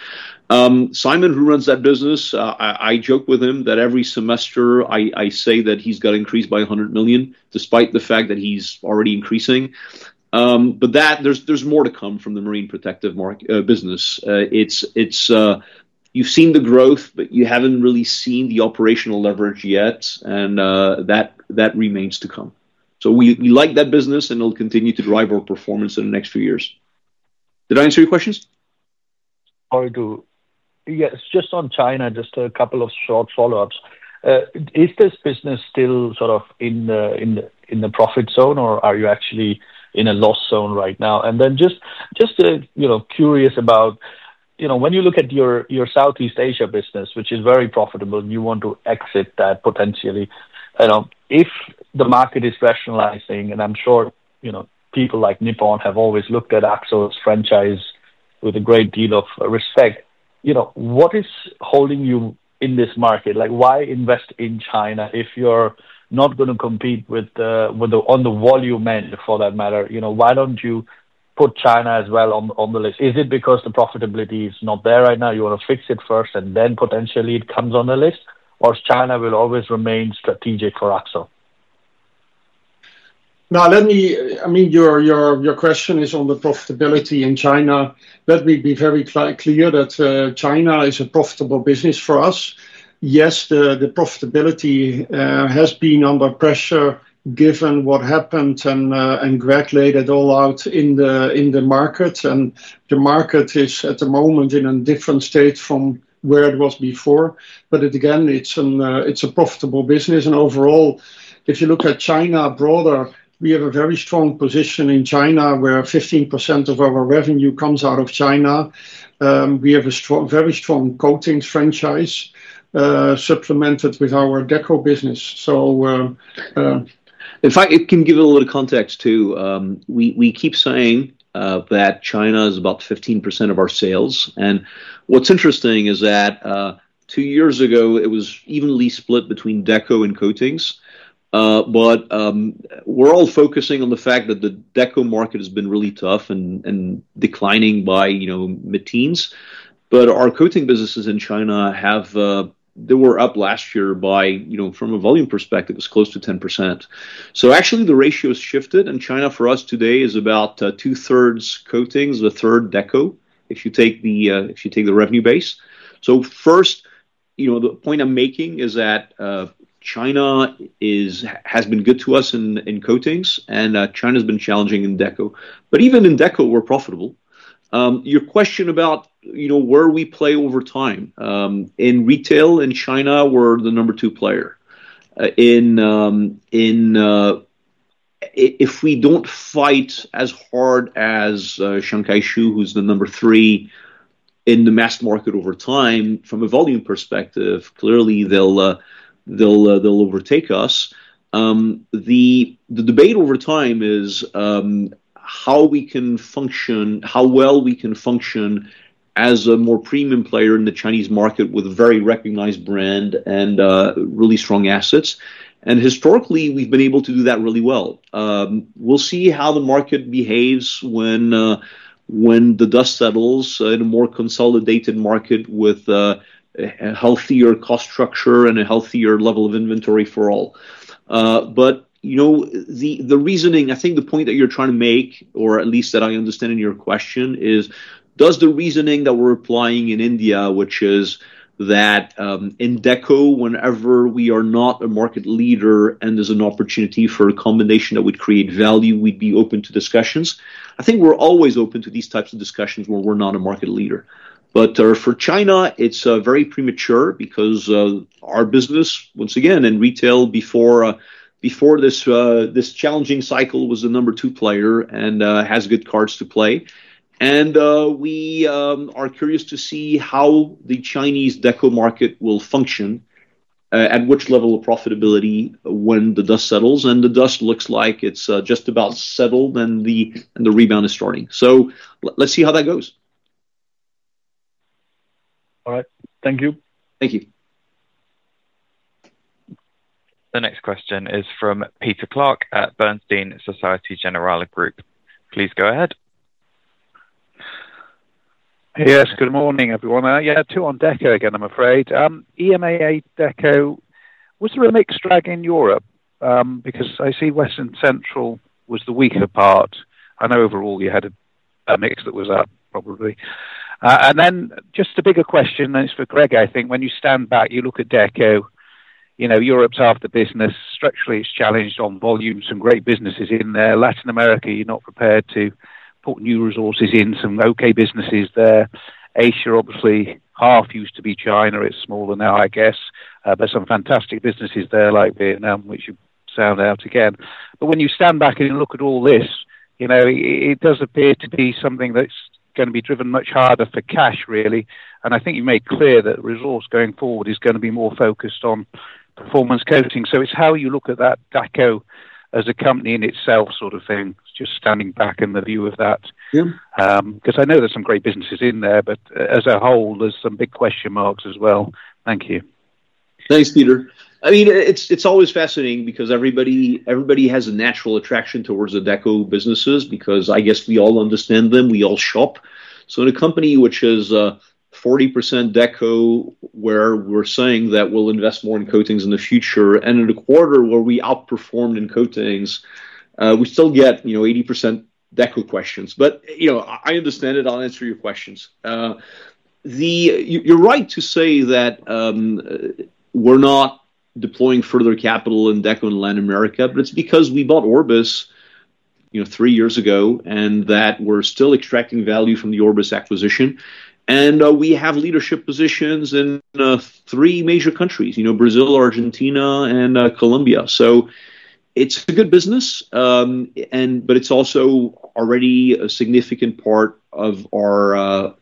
Simon, who runs that business, I joke with him that every semester I say that he's got increased by 100 million despite the fact that he's already increasing. But there's more to come from the Marine protective business. You've seen the growth, but you haven't really seen the operational leverage yet, and that remains to come. So we like that business, and it'll continue to drive our performance in the next few years. Did I answer your questions? Sorry. Yes. Just on China, just a couple of short follow-ups. Is this business still sort of in the profit zone, or are you actually in a loss zone right now? And then just curious about when you look at your Southeast Asia business, which is very profitable, and you want to exit that potentially. If the market is rationalizing, and I'm sure people like Nippon have always looked at Akzo's franchise with a great deal of respect, what is holding you in this market? Why invest in China if you're not going to compete with the on the volume end, for that matter? Why don't you put China as well on the list? Is it because the profitability is not there right now? You want to fix it first, and then potentially it comes on the list? Or China will always remain strategic for Akzo? No, I mean, your question is on the profitability in China. Let me be very clear that China is a profitable business for us. Yes, the profitability has been under pressure given what happened, and Grég laid it all out in the market, and the market is at the moment in a different state from where it was before, but again, it's a profitable business, and overall, if you look at China broader, we have a very strong position in China where 15% of our revenue comes out of China. We have a very strong coatings franchise supplemented with our Deco business. In fact, it can give a little context too. We keep saying that China is about 15% of our sales. And what's interesting is that two years ago, it was evenly split between Deco and coatings. But we're all focusing on the fact that the Deco market has been really tough and declining by mid-teens. But our coating businesses in China, they were up last year by, from a volume perspective, it was close to 10%. So actually, the ratio has shifted, and China for us today is about two-thirds coatings, a third Deco, if you take the revenue base. So first, the point I'm making is that China has been good to us in coatings, and China has been challenging in Deco. But even in Deco, we're profitable. Your question about where we play over time, in retail in China, we're the number two player. If we don't fight as hard as Sankeshu, who's the number three in the mass market over time, from a volume perspective, clearly they'll overtake us. The debate over time is how we can function, how well we can function as a more premium player in the Chinese market with a very recognized brand and really strong assets, and historically, we've been able to do that really well. We'll see how the market behaves when the dust settles in a more consolidated market with a healthier cost structure and a healthier level of inventory for all. But the reasoning, I think the point that you're trying to make, or at least that I understand in your question, is does the reasoning that we're applying in India, which is that in Deco, whenever we are not a market leader and there's an opportunity for a combination that would create value, we'd be open to discussions. I think we're always open to these types of discussions where we're not a market leader. But for China, it's very premature because our business, once again, in retail before this challenging cycle, was the number two player and has good cards to play. And we are curious to see how the Chinese Deco market will function at which level of profitability when the dust settles. And the dust looks like it's just about settled, and the rebound is starting. So let's see how that goes. All right. Thank you. Thank you. The next question is from Peter Clark at Bernstein Société Générale Group. Please go ahead. Yes. Good morning, everyone. Yeah, two on Deco again, I'm afraid. EMEA Deco was a mix drag in Europe because I see West and Central was the weaker part. I know overall you had a mix that was up, probably. And then just a bigger question, and it's for Grég, I think. When you stand back, you look at Deco. Europe's half the business. Structurally, it's challenged on volume. Some great businesses in there. Latin America, you're not prepared to put new resources in. Some okay businesses there. Asia, obviously, half used to be China. It's smaller now, I guess. But some fantastic businesses there like Vietnam, which you called out again. But when you stand back and you look at all this, it does appear to be something that's going to be driven much harder for cash, really. And I think you made clear that resource going forward is going to be more focused on Performance Coatings. So it's how you look at that Deco as a company in itself sort of thing. It's just standing back in the view of that. Because I know there's some great businesses in there, but as a whole, there's some big question marks as well. Thank you. Thanks, Peter. I mean, it's always fascinating because everybody has a natural attraction towards the Deco businesses because I guess we all understand them. We all shop. So in a company which is 40% Deco, where we're saying that we'll invest more in coatings in the future, and in a quarter where we outperformed in coatings, we still get 80% Deco questions. But I understand it. I'll answer your questions. You're right to say that we're not deploying further capital in Deco and Latin America, but it's because we bought Orbis three years ago, and that we're still extracting value from the Orbis acquisition. And we have leadership positions in three major countries: Brazil, Argentina, and Colombia. So it's a good business, but it's also already a significant part of our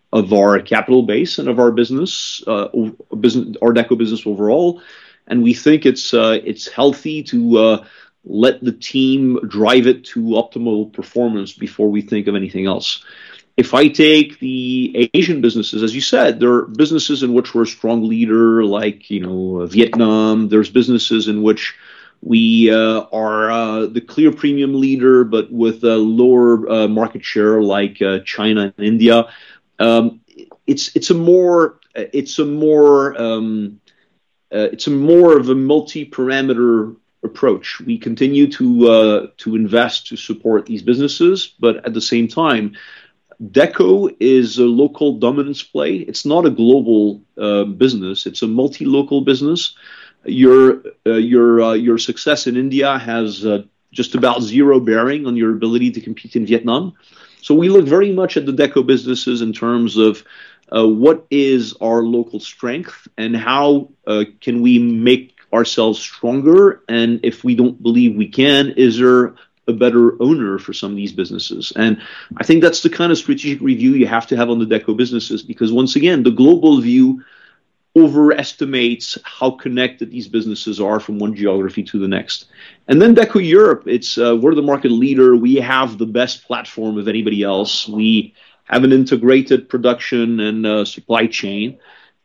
capital base and of our Deco business overall. We think it's healthy to let the team drive it to optimal performance before we think of anything else. If I take the Asian businesses, as you said, there are businesses in which we're a strong leader like Vietnam. There's businesses in which we are the clear premium leader, but with a lower market share like China and India. It's a more of a multi-parameter approach. We continue to invest to support these businesses, but at the same time, Deco is a local dominance play. It's not a global business. It's a multi-local business. Your success in India has just about zero bearing on your ability to compete in Vietnam. So we look very much at the Deco businesses in terms of what is our local strength, and how can we make ourselves stronger? And if we don't believe we can, is there a better owner for some of these businesses? And I think that's the kind of strategic review you have to have on the Deco businesses because, once again, the global view overestimates how connected these businesses are from one geography to the next. And then Deco Europe, we're the market leader. We have the best platform of anybody else. We have an integrated production and supply chain.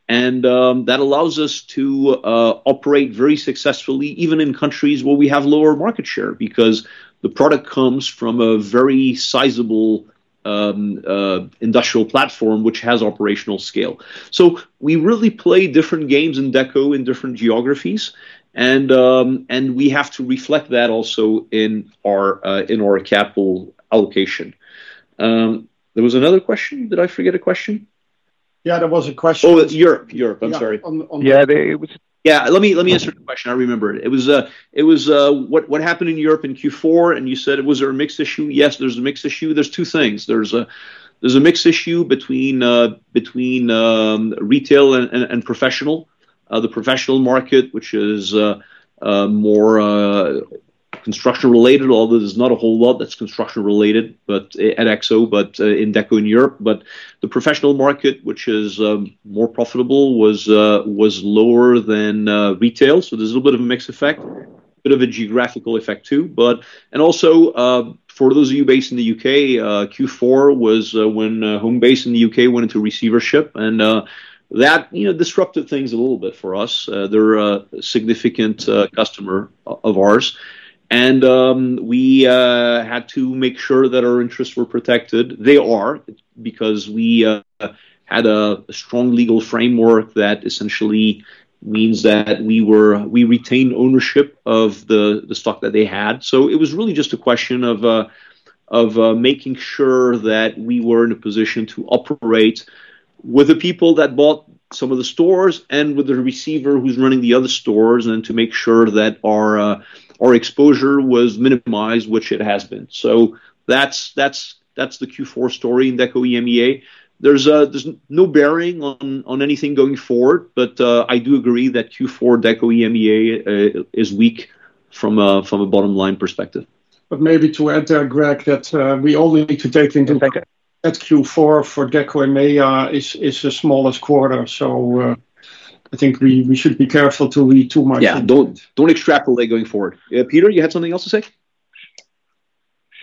And that allows us to operate very successfully, even in countries where we have lower market share because the product comes from a very sizable industrial platform which has operational scale. So we really play different games in Deco in different geographies, and we have to reflect that also in our capital allocation. There was another question. Did I forget a question? Yeah, there was a question. Oh, Europe. Europe. I'm sorry. Yeah. Yeah. Let me answer the question. I remember it. It was what happened in Europe in Q4, and you said it was a mixed issue. Yes, there's a mixed issue. There's two things. There's a mixed issue between retail and professional. The professional market, which is more construction-related, although there's not a whole lot that's construction-related at Akzo, but in Deco in Europe. But the professional market, which is more profitable, was lower than retail. So there's a little bit of a mixed effect, a bit of a geographical effect too. And also, for those of you based in the U.K., Q4 was when Homebase in the U.K. went into receivership, and that disrupted things a little bit for us. They're a significant customer of ours. And we had to make sure that our interests were protected. They are because we had a strong legal framework that essentially means that we retained ownership of the stock that they had. So it was really just a question of making sure that we were in a position to operate with the people that bought some of the stores and with the receiver who's running the other stores and to make sure that our exposure was minimized, which it has been. So that's the Q4 story in Deco EMEA. There's no bearing on anything going forward, but I do agree that Q4 Deco EMEA is weak from a bottom-line perspective. But maybe to add to that, Grég, that we only need to take into account that Q4 for Deco EMEA is the smallest quarter. So I think we should be careful to read too much. Yeah. Don't extrapolate going forward. Peter, you had something else to say?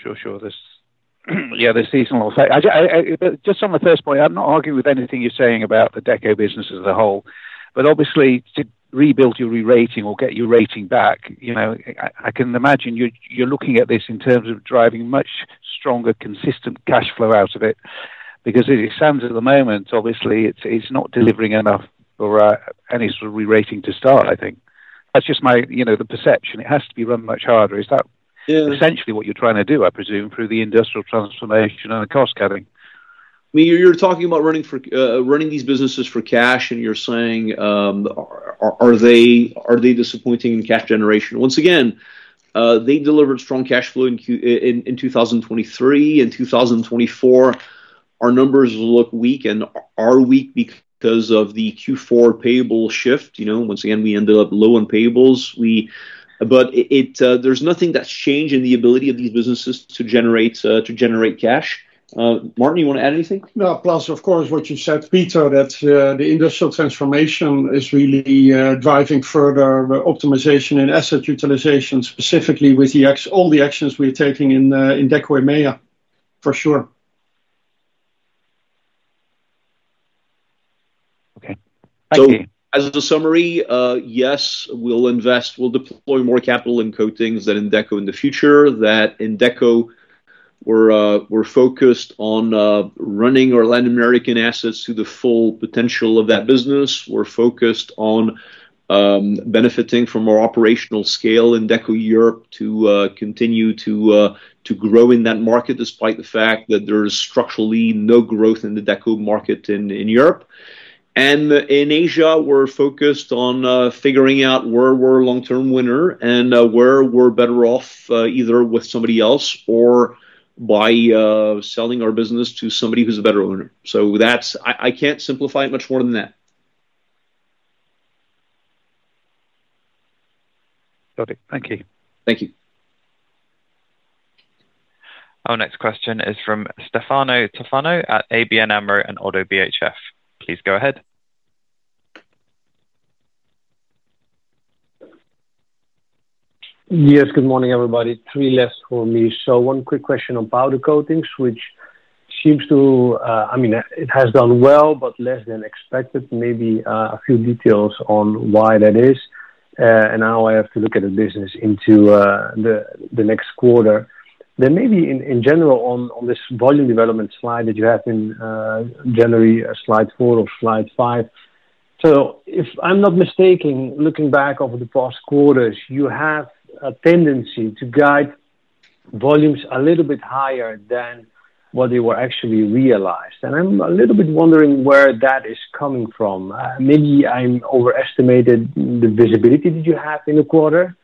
Sure. Sure. Yeah, this is on the same side. Just on my first point, I'm not arguing with anything you're saying about the Deco business as a whole. But obviously, to rebuild your rating or get your rating back, I can imagine you're looking at this in terms of driving much stronger, consistent cash flow out of it because it sounds at the moment, obviously, it's not delivering enough for any sort of rerating to start, I think. That's just the perception. It has to be run much harder. Is that essentially what you're trying to do, I presume, through the industrial transformation and the cost cutting? I mean, you're talking about running these businesses for cash, and you're saying, are they disappointing in cash generation? Once again, they delivered strong cash flow in 2023. In 2024, our numbers look weak and are weak because of the Q4 payable shift. Once again, we ended up low on payables. But there's nothing that's changed in the ability of these businesses to generate cash. Maarten, you want to add anything? No, plus, of course, what you said, Peter, that the industrial transformation is really driving further optimization in asset utilization, specifically with all the actions we're taking in Deco EMEA, for sure. Okay. As a summary, yes, we'll invest. We'll deploy more capital in coatings than in Deco in the future, and in Deco, we're focused on running our Latin American assets to the full potential of that business. We're focused on benefiting from our operational scale in Deco Europe to continue to grow in that market despite the fact that there's structurally no growth in the Deco market in Europe. And in Asia, we're focused on figuring out where we're a long-term winner and where we're better off either with somebody else or by selling our business to somebody who's a better owner. So I can't simplify it much more than that. Got it. Thank you. Thank you. Our next question is from Stefano Toffano at ABN AMRO and ODDO BHF. Please go ahead. Yes. Good morning, everybody. Three left for me. So one quick question about the coatings, which seems to, I mean, it has done well, but less than expected. Maybe a few details on why that is and how I have to look at the business into the next quarter. Then maybe in general on this volume development slide that you have in January, slide four or slide five. So if I'm not mistaken, looking back over the past quarters, you have a tendency to guide volumes a little bit higher than what they were actually realized. And I'm a little bit wondering where that is coming from. Maybe I overestimated the visibility that you have in the quarter.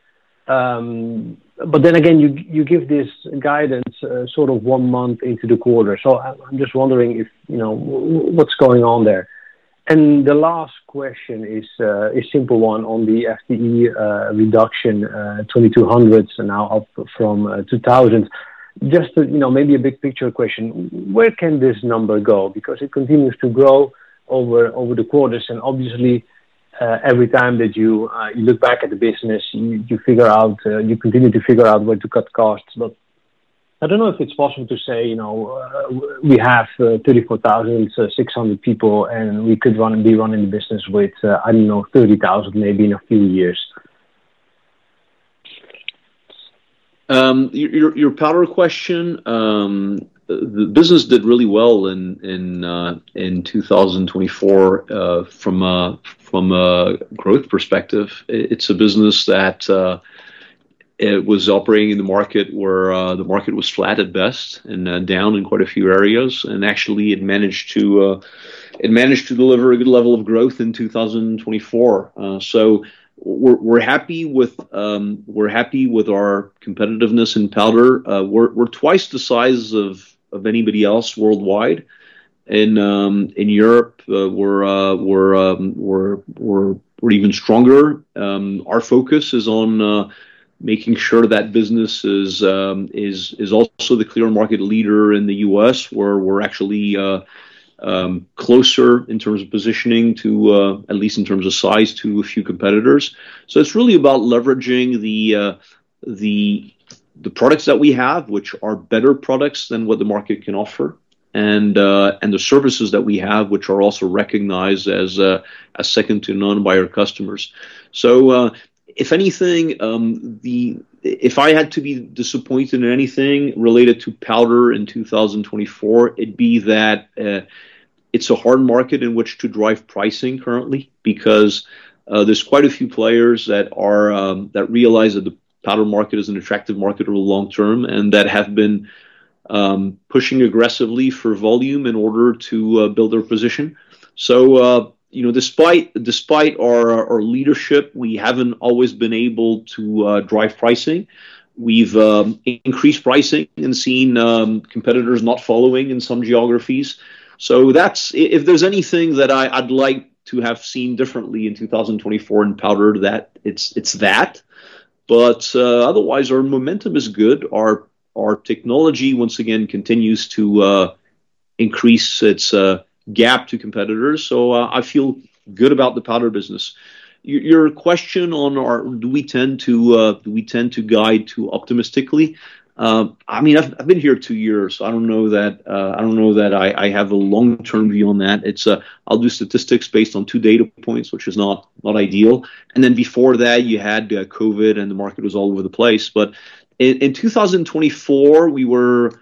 But then again, you give this guidance sort of one month into the quarter. So I'm just wondering what's going on there. The last question is a simple one on the FTE reduction, 2,200 now up from 2,000. Just maybe a big picture question. Where can this number go? Because it continues to grow over the quarters. And obviously, every time that you look back at the business, you continue to figure out where to cut costs. But I don't know if it's possible to say we have 34,600 people, and we could be running the business with, I don't know, 30,000 maybe in a few years. Your Powder question. The business did really well in 2024 from a growth perspective. It's a business that was operating in the market where the market was flat at best and down in quite a few areas. And actually, it managed to deliver a good level of growth in 2024. So we're happy with our competitiveness and Powder. We're twice the size of anybody else worldwide. In Europe, we're even stronger. Our focus is on making sure that business is also the clear market leader in the U.S., where we're actually closer in terms of positioning, at least in terms of size, to a few competitors. So it's really about leveraging the products that we have, which are better products than what the market can offer, and the services that we have, which are also recognized as second to none by our customers. So, if anything, if I had to be disappointed in anything related to Powder in 2024, it'd be that it's a hard market in which to drive pricing currently because there's quite a few players that realize that the Powder market is an attractive market over the long term and that have been pushing aggressively for volume in order to build their position. So, despite our leadership, we haven't always been able to drive pricing. We've increased pricing and seen competitors not following in some geographies. So, if there's anything that I'd like to have seen differently in 2024 in Powder, it's that. But otherwise, our momentum is good. Our technology, once again, continues to increase its gap to competitors. So, I feel good about the Powder business. Your question on, do we tend to guide too optimistically? I mean, I've been here two years. I don't know that I have a long-term view on that. I'll do statistics based on two data points, which is not ideal. And then before that, you had COVID, and the market was all over the place. But in 2024, when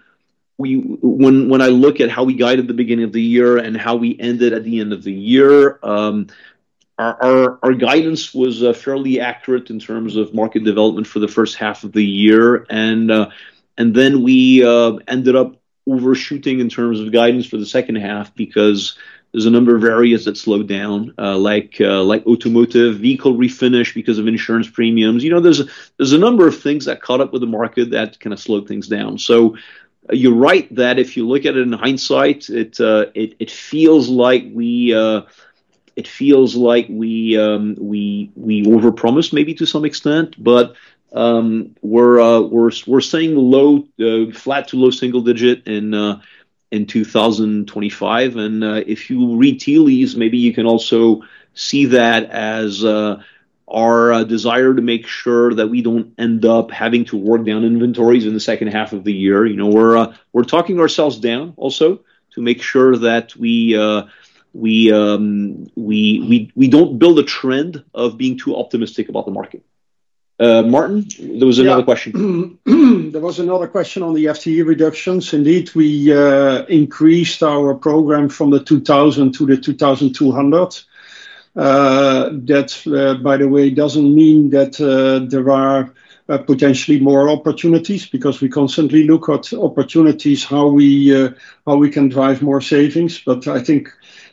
I look at how we guided the beginning of the year and how we ended at the end of the year, our guidance was fairly accurate in terms of market development for the first half of the year. And then we ended up overshooting in terms of guidance for the second half because there's a number of areas that slowed down, like Automotive Vehicle Refinish because of insurance premiums. There's a number of things that caught up with the market that kind of slowed things down. So you're right that if you look at it in hindsight, it feels like we overpromised maybe to some extent. But we're staying flat to low single digit in 2025. And if you read the tea leaves, maybe you can also see that as our desire to make sure that we don't end up having to run down inventories in the second half of the year. We're talking ourselves down also to make sure that we don't build a trend of being too optimistic about the market. Maarten, there was another question. There was another question on the FTE reductions. Indeed, we increased our program from the 2,000 to the 2,200. That, by the way, doesn't mean that there are potentially more opportunities because we constantly look at opportunities, how we can drive more savings, but I think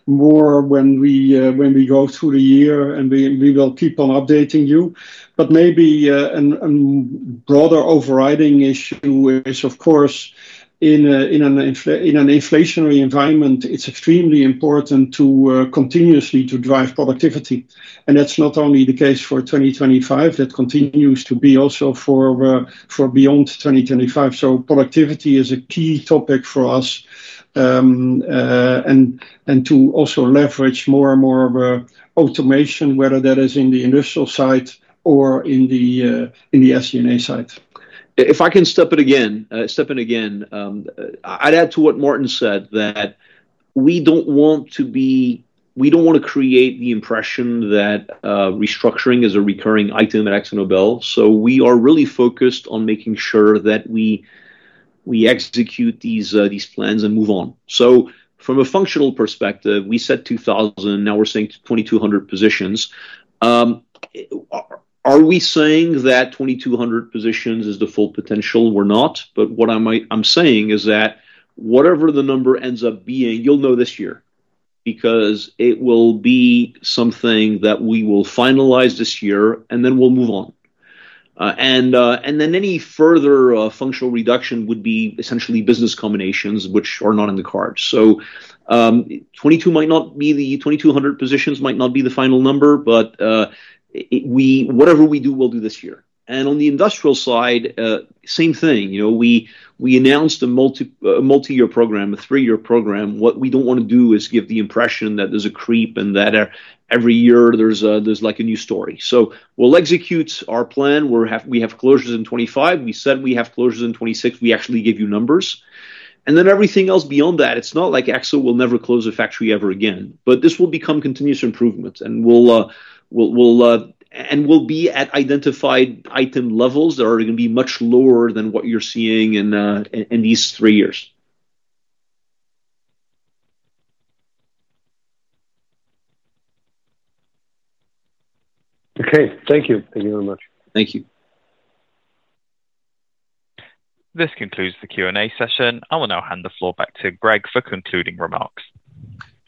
more when we go through the year, and we will keep on updating you, but maybe a broader overriding issue is, of course, in an inflationary environment, it's extremely important to continuously drive productivity, and that's not only the case for 2025, that continues to be also for beyond 2025, so productivity is a key topic for us and to also leverage more and more automation, whether that is in the industrial site or in the SG&A site. If I can step in again, I'd add to what Maarten said, that we don't want to create the impression that restructuring is a recurring item at AkzoNobel. So we are really focused on making sure that we execute these plans and move on. So from a functional perspective, we said 2,000. Now we're saying 2,200 positions. Are we saying that 2,200 positions is the full potential? We're not. But what I'm saying is that whatever the number ends up being, you'll know this year because it will be something that we will finalize this year, and then we'll move on. And then any further functional reduction would be essentially business combinations, which are not in the cards. So the 2,200 positions might not be the final number, but whatever we do, we'll do this year. On the industrial side, same thing. We announced a multi-year program, a three-year program. What we don't want to do is give the impression that there's a creep and that every year there's a new story. So we'll execute our plan. We have closures in 2025. We said we have closures in 2026. We actually give you numbers. Then everything else beyond that, it's not like Akzo will never close a factory ever again. This will become continuous improvement. We'll be at identified item levels that are going to be much lower than what you're seeing in these three years. Okay. Thank you. Thank you very much. Thank you. This concludes the Q&A session. I will now hand the floor back to Grég for concluding remarks.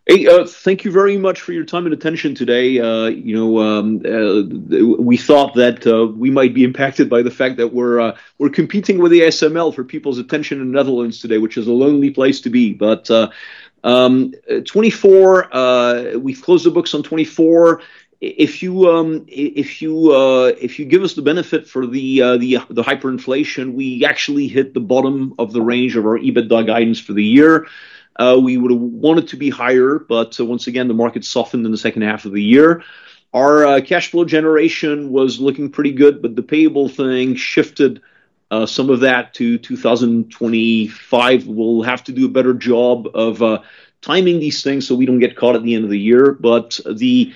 Thank you very much for your time and attention today. We thought that we might be impacted by the fact that we're competing with ASML for people's attention in the Netherlands today, which is a lonely place to be. But 2024, we've closed the books on 2024. If you give us the benefit for the hyperinflation, we actually hit the bottom of the range of our EBITDA guidance for the year. We would have wanted to be higher, but once again, the market softened in the second half of the year. Our cash flow generation was looking pretty good, but the payable thing shifted some of that to 2025. We'll have to do a better job of timing these things so we don't get caught at the end of the year. But the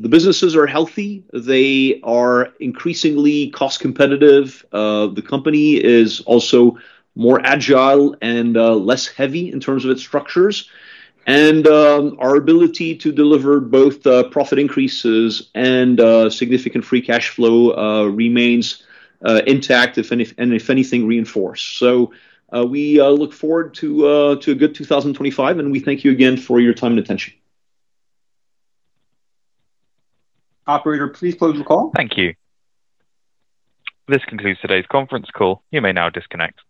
businesses are healthy. They are increasingly cost competitive. The company is also more agile and less heavy in terms of its structures, and our ability to deliver both profit increases and significant free cash flow remains intact, if anything reinforced, so we look forward to a good 2025, and we thank you again for your time and attention. Operator, please close the call. Thank you. This concludes today's conference call. You may now disconnect.